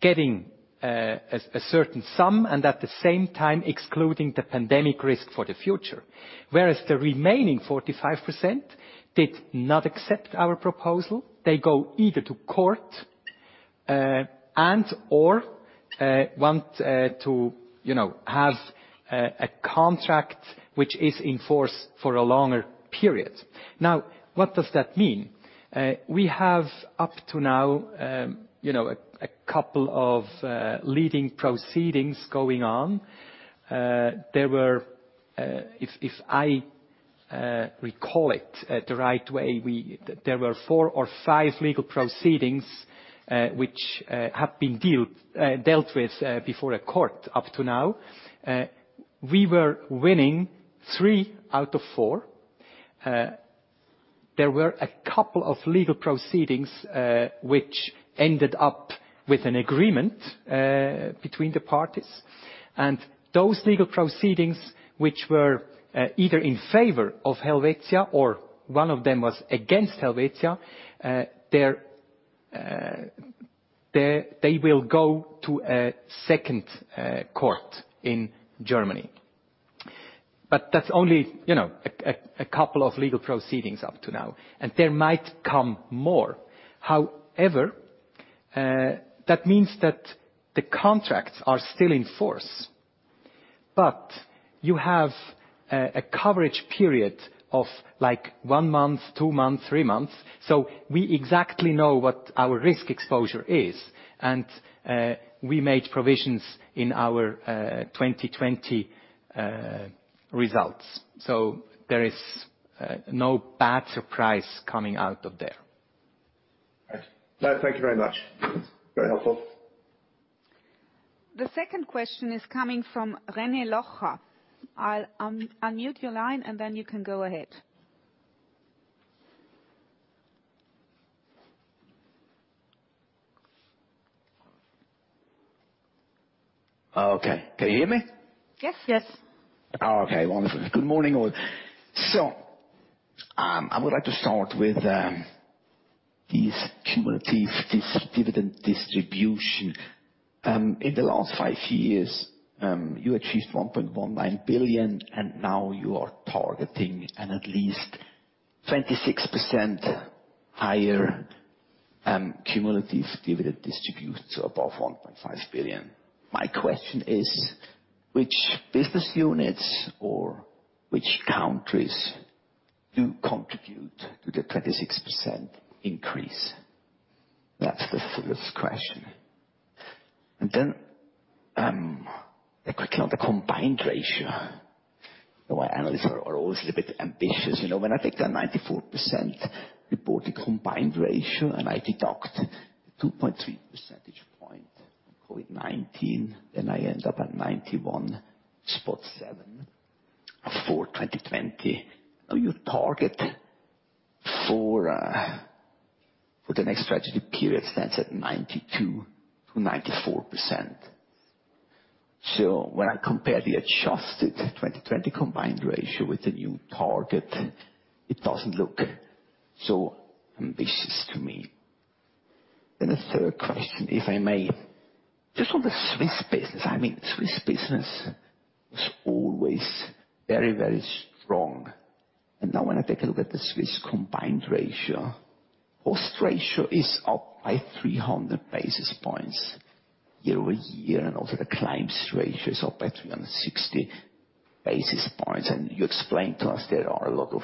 getting a certain sum and at the same time excluding the pandemic risk for the future. The remaining 45% did not accept our proposal. They go either to court and/or want to have a contract which is in force for a longer period. What does that mean? We have, up to now, a couple of leading proceedings going on. If I recall it the right way, there were four or five legal proceedings which have been dealt with before a court up to now. We were winning three out of four. There were a couple of legal proceedings which ended up with an agreement between the parties, and those legal proceedings, which were either in favor of Helvetia, or one of them was against Helvetia, they will go to a second court in Germany. That's only a couple of legal proceedings up to now, and there might come more. However, that means that the contracts are still in force, but you have a coverage period of one month, two months, three months. We exactly know what our risk exposure is, and we made provisions in our 2020 results. There is no bad surprise coming out of there. Right. No, thank you very much. Very helpful. The second question is coming from René Locher. I'll unmute your line and then you can go ahead. Okay. Can you hear me? Yes. Yes. Okay, wonderful. Good morning, all. I would like to start with this dividend distribution. In the last five years, you achieved 1.19 billion and now you are targeting an at least 26% higher cumulative dividend distribution above 1.5 billion. My question is which business units or which countries do contribute to the 26% increase? That's the first question. A question on the combined ratio. Analysts are always a little bit ambitious. When I take a 94% reported combined ratio and I deduct 2.3 percentage point COVID-19, I end up at 91.7% for 2020. Your target for the next strategy period stands at 92%-94%. When I compare the adjusted 2020 combined ratio with the new target, it doesn't look so ambitious to me. The third question, if I may, just on the Swiss business. Swiss business was always very strong. Now when I take a look at the Swiss combined ratio, cost ratio is up by 300 basis points year-over-year and also the claims ratio is up by 360 basis points. You explained to us there are a lot of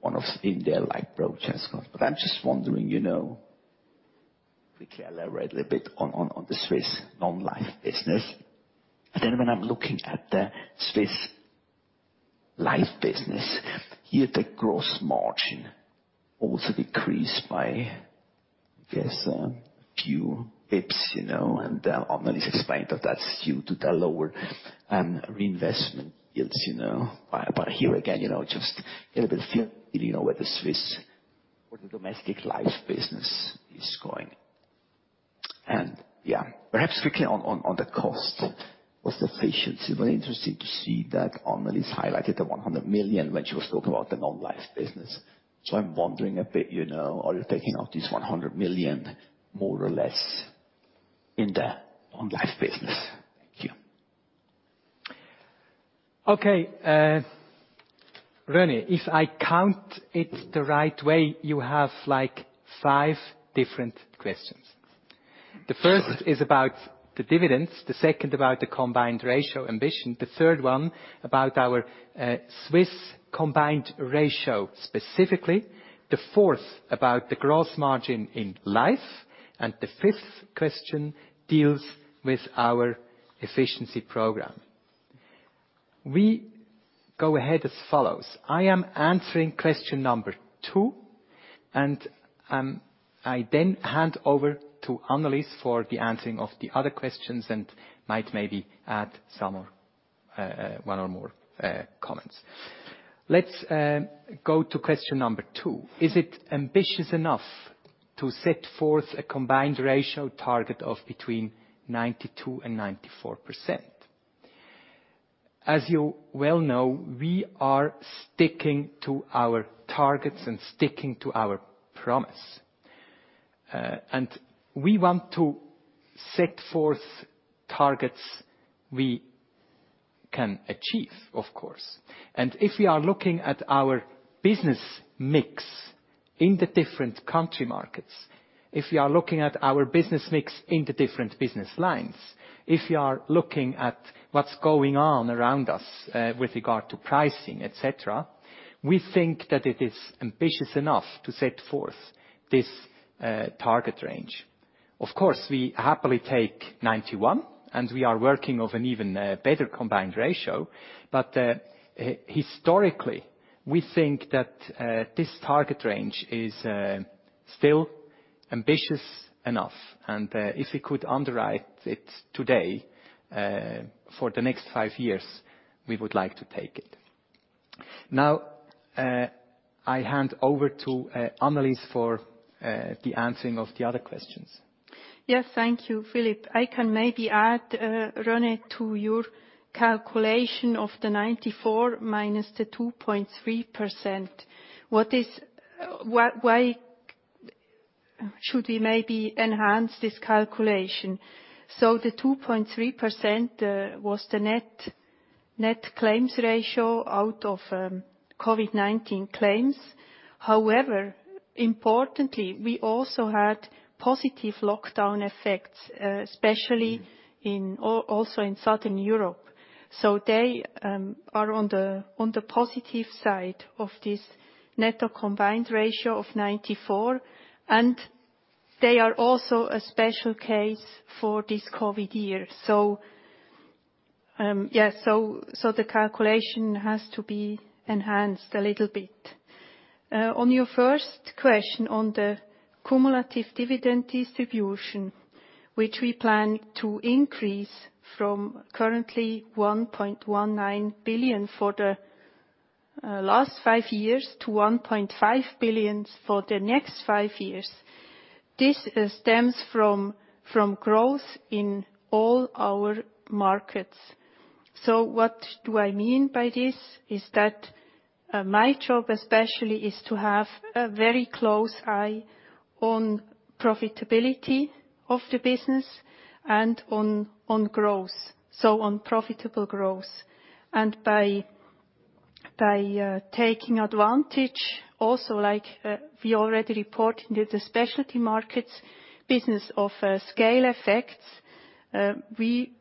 one-offs in there like Proximate cause. I'm just wondering, quickly elaborate a little bit on the Swiss non-life business. When I'm looking at the Swiss life business, here the gross margin also decreased by, I guess, a few pips. Annelis explained that that's due to the lower reinvestment yields. Here again, just a little bit further where the Swiss or the domestic life business is going. Yeah, perhaps quickly on the cost of the efficiency. Very interesting to see that Annelis highlighted the 100 million when she was talking about the non-life business. I'm wondering a bit, are you taking out this 100 million more or less in the non-life business? Thank you. Okay. René, if I count it the right way, you have five different questions. Sorry. The first is about the dividends, the second about the combined ratio ambition, the third one about our Swiss combined ratio, specifically. The fourth about the gross margin in life, and the fifth question deals with our efficiency program. We go ahead as follows. I am answering question number two, and I then hand over to Annelis for the answering of the other questions and might maybe add one or more comments. Let's go to question number two. Is it ambitious enough to set forth a combined ratio target of between 92% and 94%? As you well know, we are sticking to our targets and sticking to our promise. We want to set forth targets we can achieve, of course. If we are looking at our business mix in the different country markets, if we are looking at our business mix in the different business lines, if we are looking at what's going on around us with regard to pricing, etc, we think that it is ambitious enough to set forth this target range. Of course, we happily take 91, and we are working of an even better combined ratio. Historically, we think that this target range is still ambitious enough. If we could underwrite it today for the next five years, we would like to take it. Now, I hand over to Annelise for the answering of the other questions. Yes, thank you, Philipp. I can maybe add, René, to your calculation of the 94- the 2.3%. Why should we maybe enhance this calculation? The 2.3% was the net claims ratio out of COVID-19 claims. However, importantly, we also had positive lockdown effects, especially also in Southern Europe. They are on the positive side of this net combined ratio of 94, and they are also a special case for this COVID year. Yeah. The calculation has to be enhanced a little bit. On your first question on the cumulative dividend distribution, which we plan to increase from currently 1.19 billion for the last five years to 1.5 billion for the next five years. This stems from growth in all our markets. What do I mean by this is that my job especially is to have a very close eye on profitability of the business and on growth, so on profitable growth. By taking advantage also like we already reported the specialty markets business of scale effects, we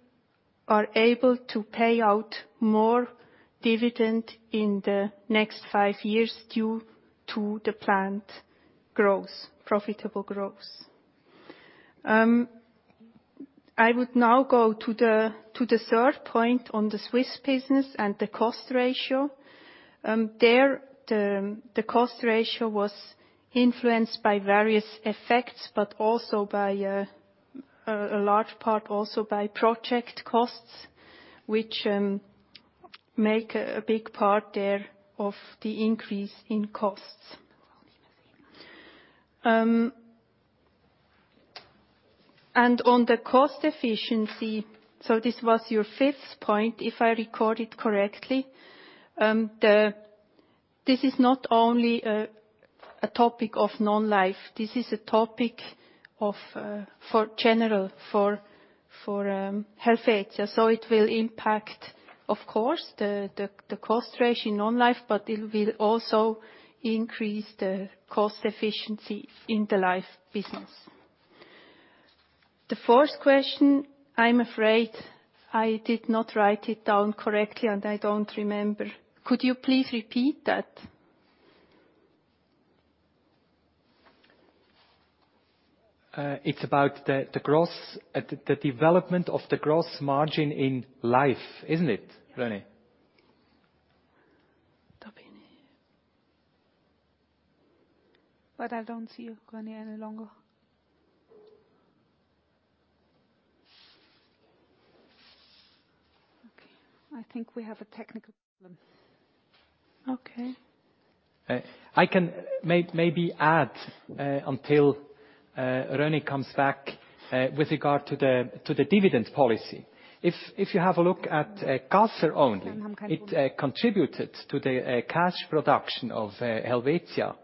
are able to pay out more dividend in the next five years due to the planned profitable growth. I would now go to the third point on the Swiss business and the cost ratio. There, the cost ratio was influenced by various effects, but a large part also by project costs, which make a big part there of the increase in costs. On the cost efficiency, so this was your fifth point if I recall it correctly. This is not only a topic of non-life, this is a topic general for Helvetia. It will impact, of course, the cost ratio in non-life, but it will also increase the cost efficiency in the life business. The fourth question, I'm afraid I did not write it down correctly, and I don't remember. Could you please repeat that? It's about the development of the gross margin in life, isn't it, René? I don't see René any longer. Okay. I think we have a technical problem. Okay. I can maybe add until René comes back with regard to the dividend policy. If you have a look at Caser only, it contributed to the cash production of Helvetia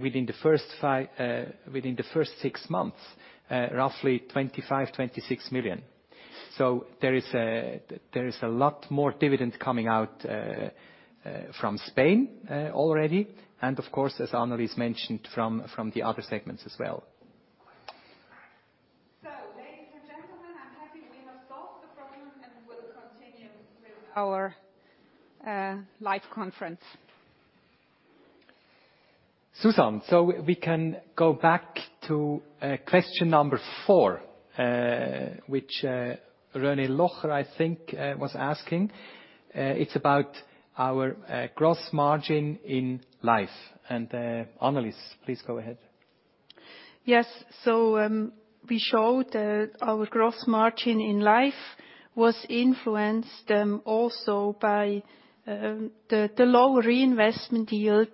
within the first six months, roughly 25 million, 26 million. There is a lot more dividend coming out from Spain already, and of course, as Annelies mentioned, from the other segments as well. Ladies and gentlemen, I'm happy we have solved the problem, and we'll continue with our live conference. Susan, we can go back to question number four, which René Locher, I think, was asking. It's about our gross margin in life. Annelis, please go ahead. Yes. We showed our gross margin in life was influenced also by the low reinvestment yield,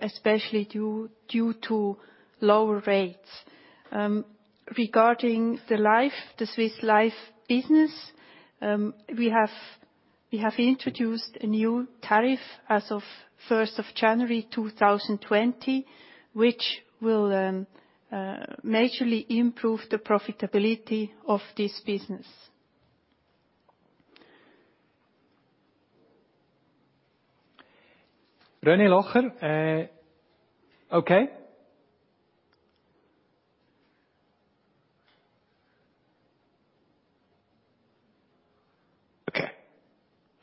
especially due to lower rates. Regarding the Swiss life business, we have introduced a new tariff as of 1st of January 2020, which will majorly improve the profitability of this business. René Locher. Okay.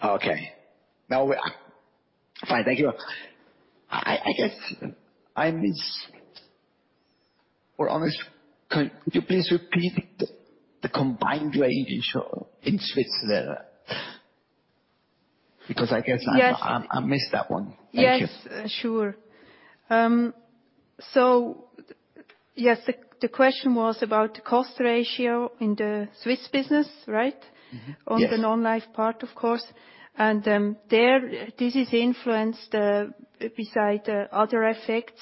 Okay. Now we're fine. Thank you. I guess I missed Annelise, could you please repeat the combined ratio in Switzerland? Yes. I missed that one. Thank you. Yes. Sure. Yes, the question was about the cost ratio in the Swiss business, right? Mm-hmm. Yes. On the non-life part, of course. There, this is influenced, beside other effects,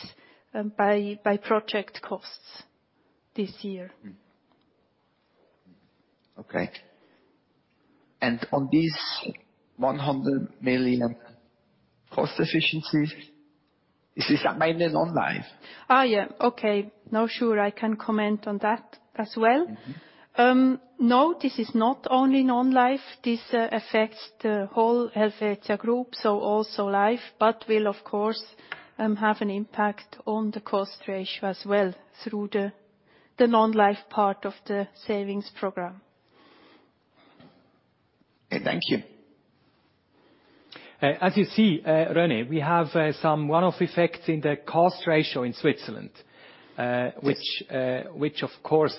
by project costs this year. Okay. On this CHF 100 million cost efficiency, this is mainly non-life? Yeah. Okay. No, sure, I can comment on that as well. This is not only non-life. This affects the whole Helvetia Group, so also life, but will of course have an impact on the cost ratio as well through the non-life part of the savings program. Thank you. As you see, René, we have some one-off effects in the cost ratio in Switzerland. Yes. Which of course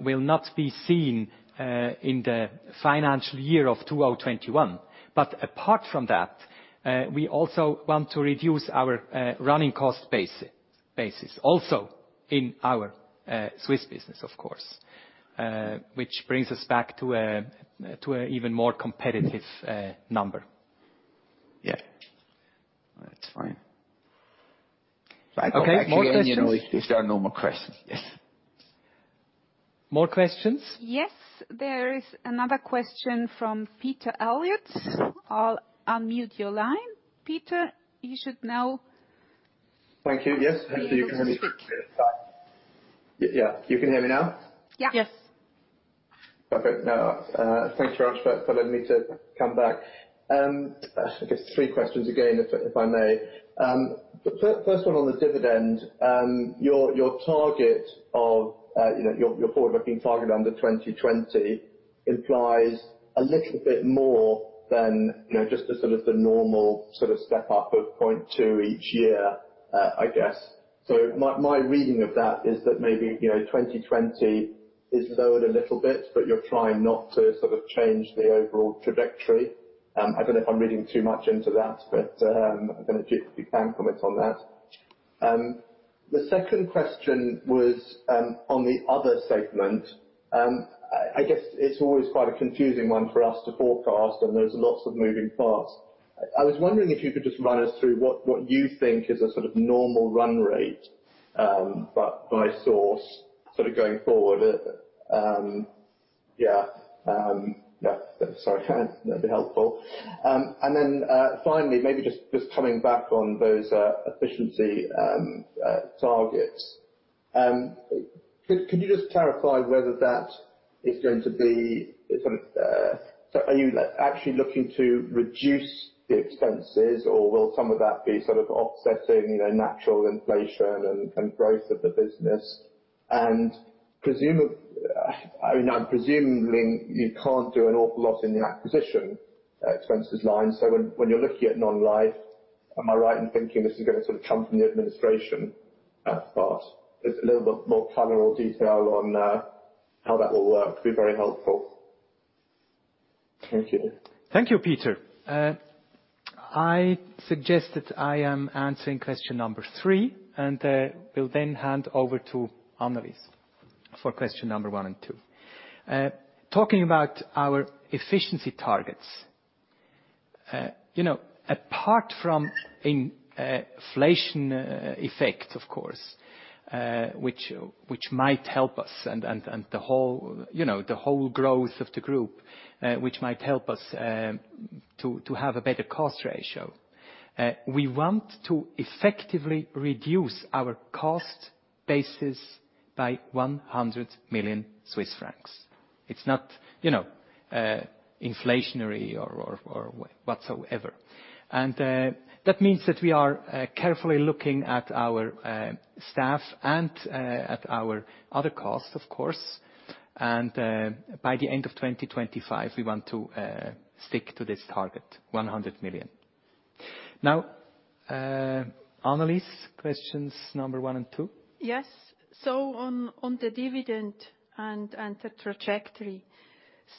will not be seen in the financial year of 2021. Apart from that, we also want to reduce our running cost basis also in our Swiss business, of course. Which brings us back to an even more competitive number. Yeah. That's fine. I go back to Annelise. Okay. More questions? If there are no more questions? Yes more questions? Yes. There is another question from Peter Eliot. I'll unmute your line. Peter, you should now. Thank you. Yes. Hope you can hear me. Yeah. You can hear me now? Yeah. Yes. Perfect. Thanks very much for allowing me to come back. I guess three questions again, if I may. The first one on the dividend. Your forward-looking target under Helvetia 2020 implies a little bit more than just the sort of the normal sort of step up of 0.2 each year, I guess. My reading of that is that maybe 2020 is lowered a little bit, but you're trying not to sort of change the overall trajectory. I don't know if I'm reading too much into that, but I don't know if you can comment on that. The second question was on the other segment. I guess it's always quite a confusing one for us to forecast, and there's lots of moving parts. I was wondering if you could just run us through what you think is a sort of normal run rate by source sort of going forward. Yeah. Sorry. That'd be helpful. Finally, maybe just coming back on those efficiency targets. Could you just clarify whether that is going to be sort of, are you actually looking to reduce the expenses or will some of that be sort of offsetting natural inflation and growth of the business? Presumably, you can't do an awful lot in the acquisition expenses line. When you're looking at non-life, am I right in thinking this is going to sort of come from the administration part? Just a little bit more color or detail on how that will work would be very helpful. Thank you. Thank you, Peter Eliot. I suggest that I am answering question number three, will then hand over to Annelise for question number one and two. Talking about our efficiency targets. Apart from inflation effect, of course, which might help us and the whole growth of the group, which might help us to have a better cost ratio. We want to effectively reduce our cost basis by 100 million Swiss francs. It's not inflationary or whatsoever. That means that we are carefully looking at our staff and at our other costs, of course. By the end of 2025, we want to stick to this target, 100 million. Now, Annelise, questions number one and two. Yes. On the dividend and the trajectory.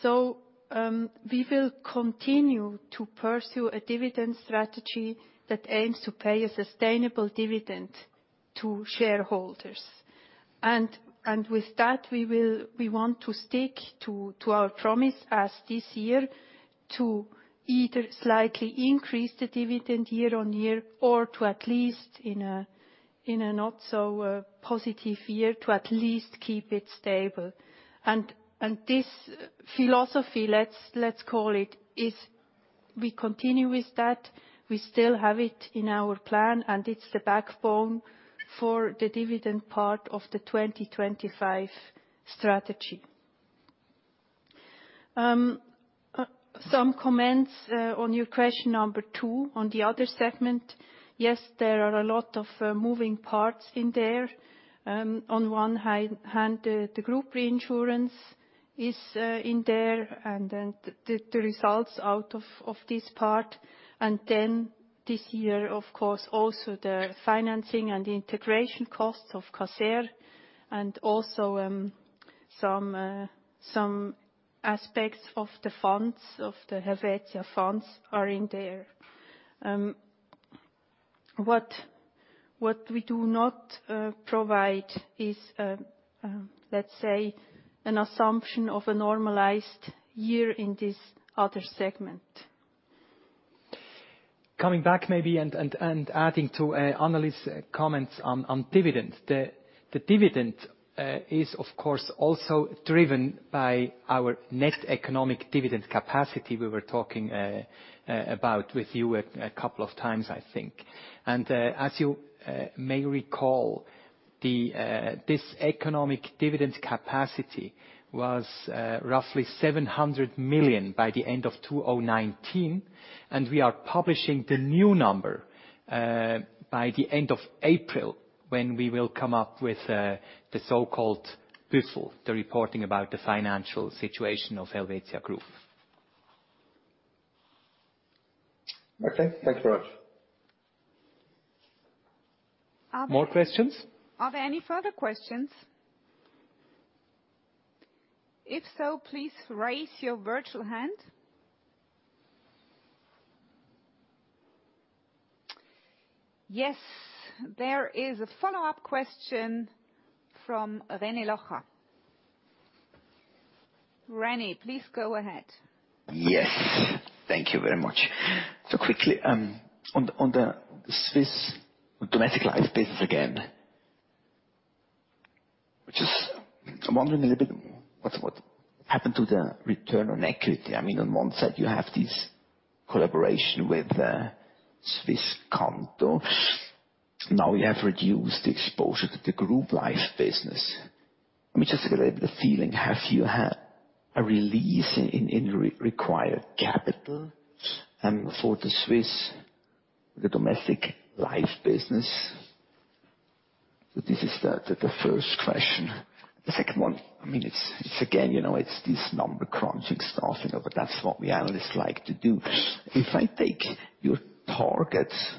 We will continue to pursue a dividend strategy that aims to pay a sustainable dividend to shareholders. With that, we want to stick to our promise as this year to either slightly increase the dividend year-on-year or to at least in a not so positive year, to at least keep it stable. This philosophy, let's call it, if we continue with that, we still have it in our plan, and it's the backbone for the dividend part of the Helvetia 2025 strategy. Some comments on your question number two on the other segment. Yes, there are a lot of moving parts in there. On one hand, the group reinsurance is in there, and then the results out of this part. This year, of course, also the financing and integration costs of Caser and also some aspects of the Helvetia funds are in there. What we do not provide is, let's say, an assumption of a normalized year in this other segment. Coming back maybe and adding to Annelise's comments on dividends. The dividend is, of course, also driven by our net economic dividend capacity we were talking about with you a couple of times, I think. As you may recall, this economic dividend capacity was roughly 700 million by the end of 2019, and we are publishing the new number by the end of April, when we will come up with the so-called BüFl, the reporting about the financial situation of Helvetia Group. Okay, thanks very much. More questions? Are there any further questions? If so, please raise your virtual hand. Yes, there is a follow-up question from René Locher. René, please go ahead. Yes. Thank you very much. Quickly, on the Swiss domestic life business again, I'm wondering a little bit what happened to the return on equity. I mean, on one side you have this collaboration with Swisscanto. You have reduced exposure to the Group Life business. Let me just get a little feeling. Have you had a release in required capital? For the Swiss, the domestic life business? This is the first question. The second one, it's this number crunching stuff, that's what we analysts like to do. If I take your targets,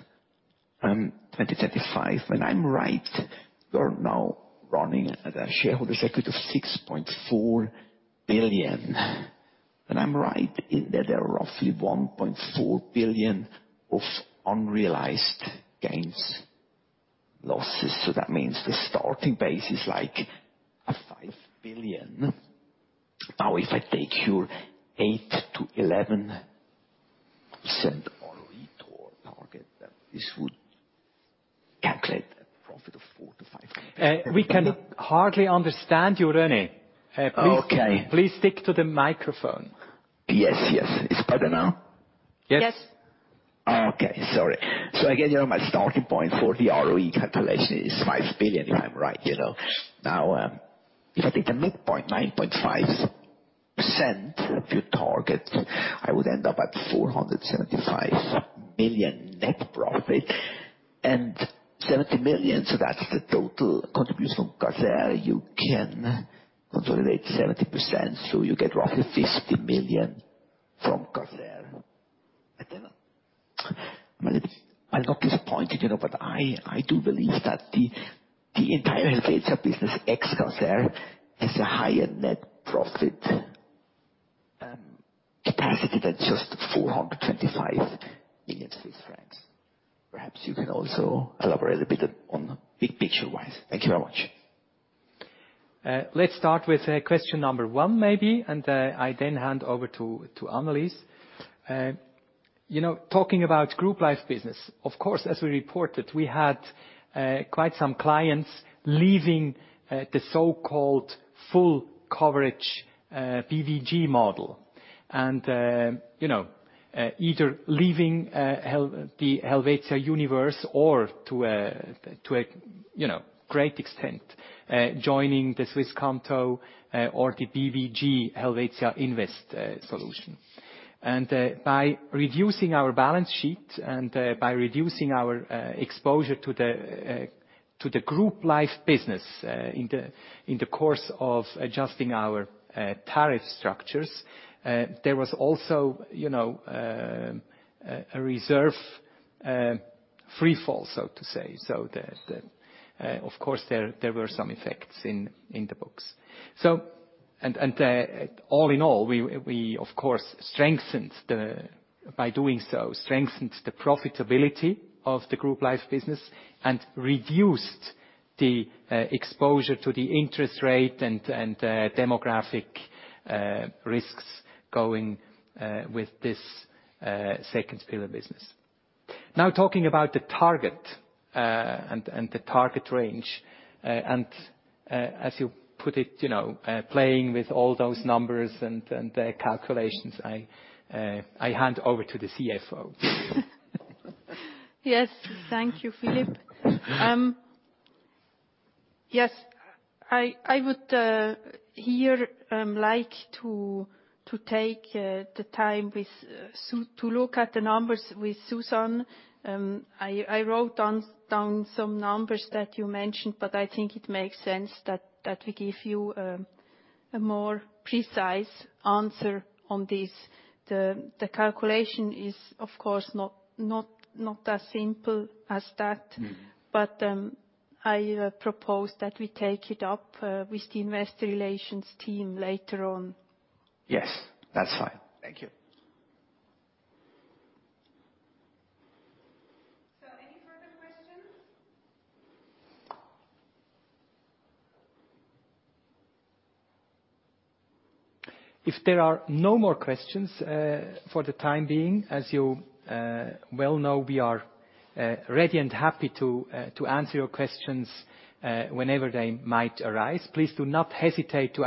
Helvetia 2025, when I'm right, you're now running at a shareholder's equity of 6.4 billion. When I'm right, there are roughly 1.4 billion of unrealized gains, losses. That means the starting base is like a 5 billion. If I take your 8%-11% ROE target, this would calculate a profit of four to five. We can hardly understand you, René. Okay. Please speak to the microphone. Yes. It's better now? Yes. Yes. Okay. Sorry. Again, my starting point for the ROE calculation is 5 billion, if I'm right. If I take the midpoint, 9.5% of your target, I would end up at 475 million net profit and 70 million, that's the total contribution from Caser. You can consolidate 70%, you get roughly 50 million from Caser. I'm not disappointed, I do believe that the entire Helvetia business ex-Caser has a higher net profit capacity than just 425 million Swiss francs. Perhaps you can also elaborate a bit on big picture-wise. Thank you very much. Let's start with question number one maybe. I then hand over to Annelis. Talking about Group Life business, of course, as we reported, we had quite some clients leaving the so-called full coverage BVG model. Either leaving the Helvetia universe or to a great extent joining the Swisscanto or the Helvetia BVG Invest solution. By reducing our balance sheet and by reducing our exposure to the Group Life business in the course of adjusting our tariff structures, there was also a reserve free fall, so to say. Of course, there were some effects in the books. All in all, we, of course, by doing so, strengthened the profitability of the Group Life business and reduced the exposure to the interest rate and demographic risks going with this second pillar business. Talking about the target and the target range, and as you put it, playing with all those numbers and the calculations, I hand over to the CFO. Yes. Thank you, Philipp. Yes. I would here like to take the time to look at the numbers with Susan. I wrote down some numbers that you mentioned, but I think it makes sense that we give you a more precise answer on this. The calculation is, of course, not as simple as that. I propose that we take it up with the investor relations team later on. Yes. That's fine. Thank you. Any further questions? If there are no more questions for the time being, as you well know, we are ready and happy to answer your questions whenever they might arise. Please do not hesitate to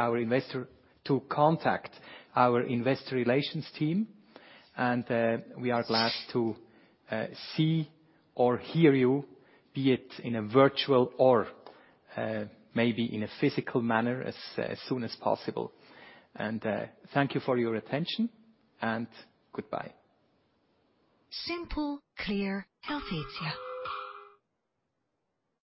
contact our investor relations team, and we are glad to see or hear you, be it in a virtual or maybe in a physical manner as soon as possible. Thank you for your attention, and goodbye. Simple, clear, Helvetia.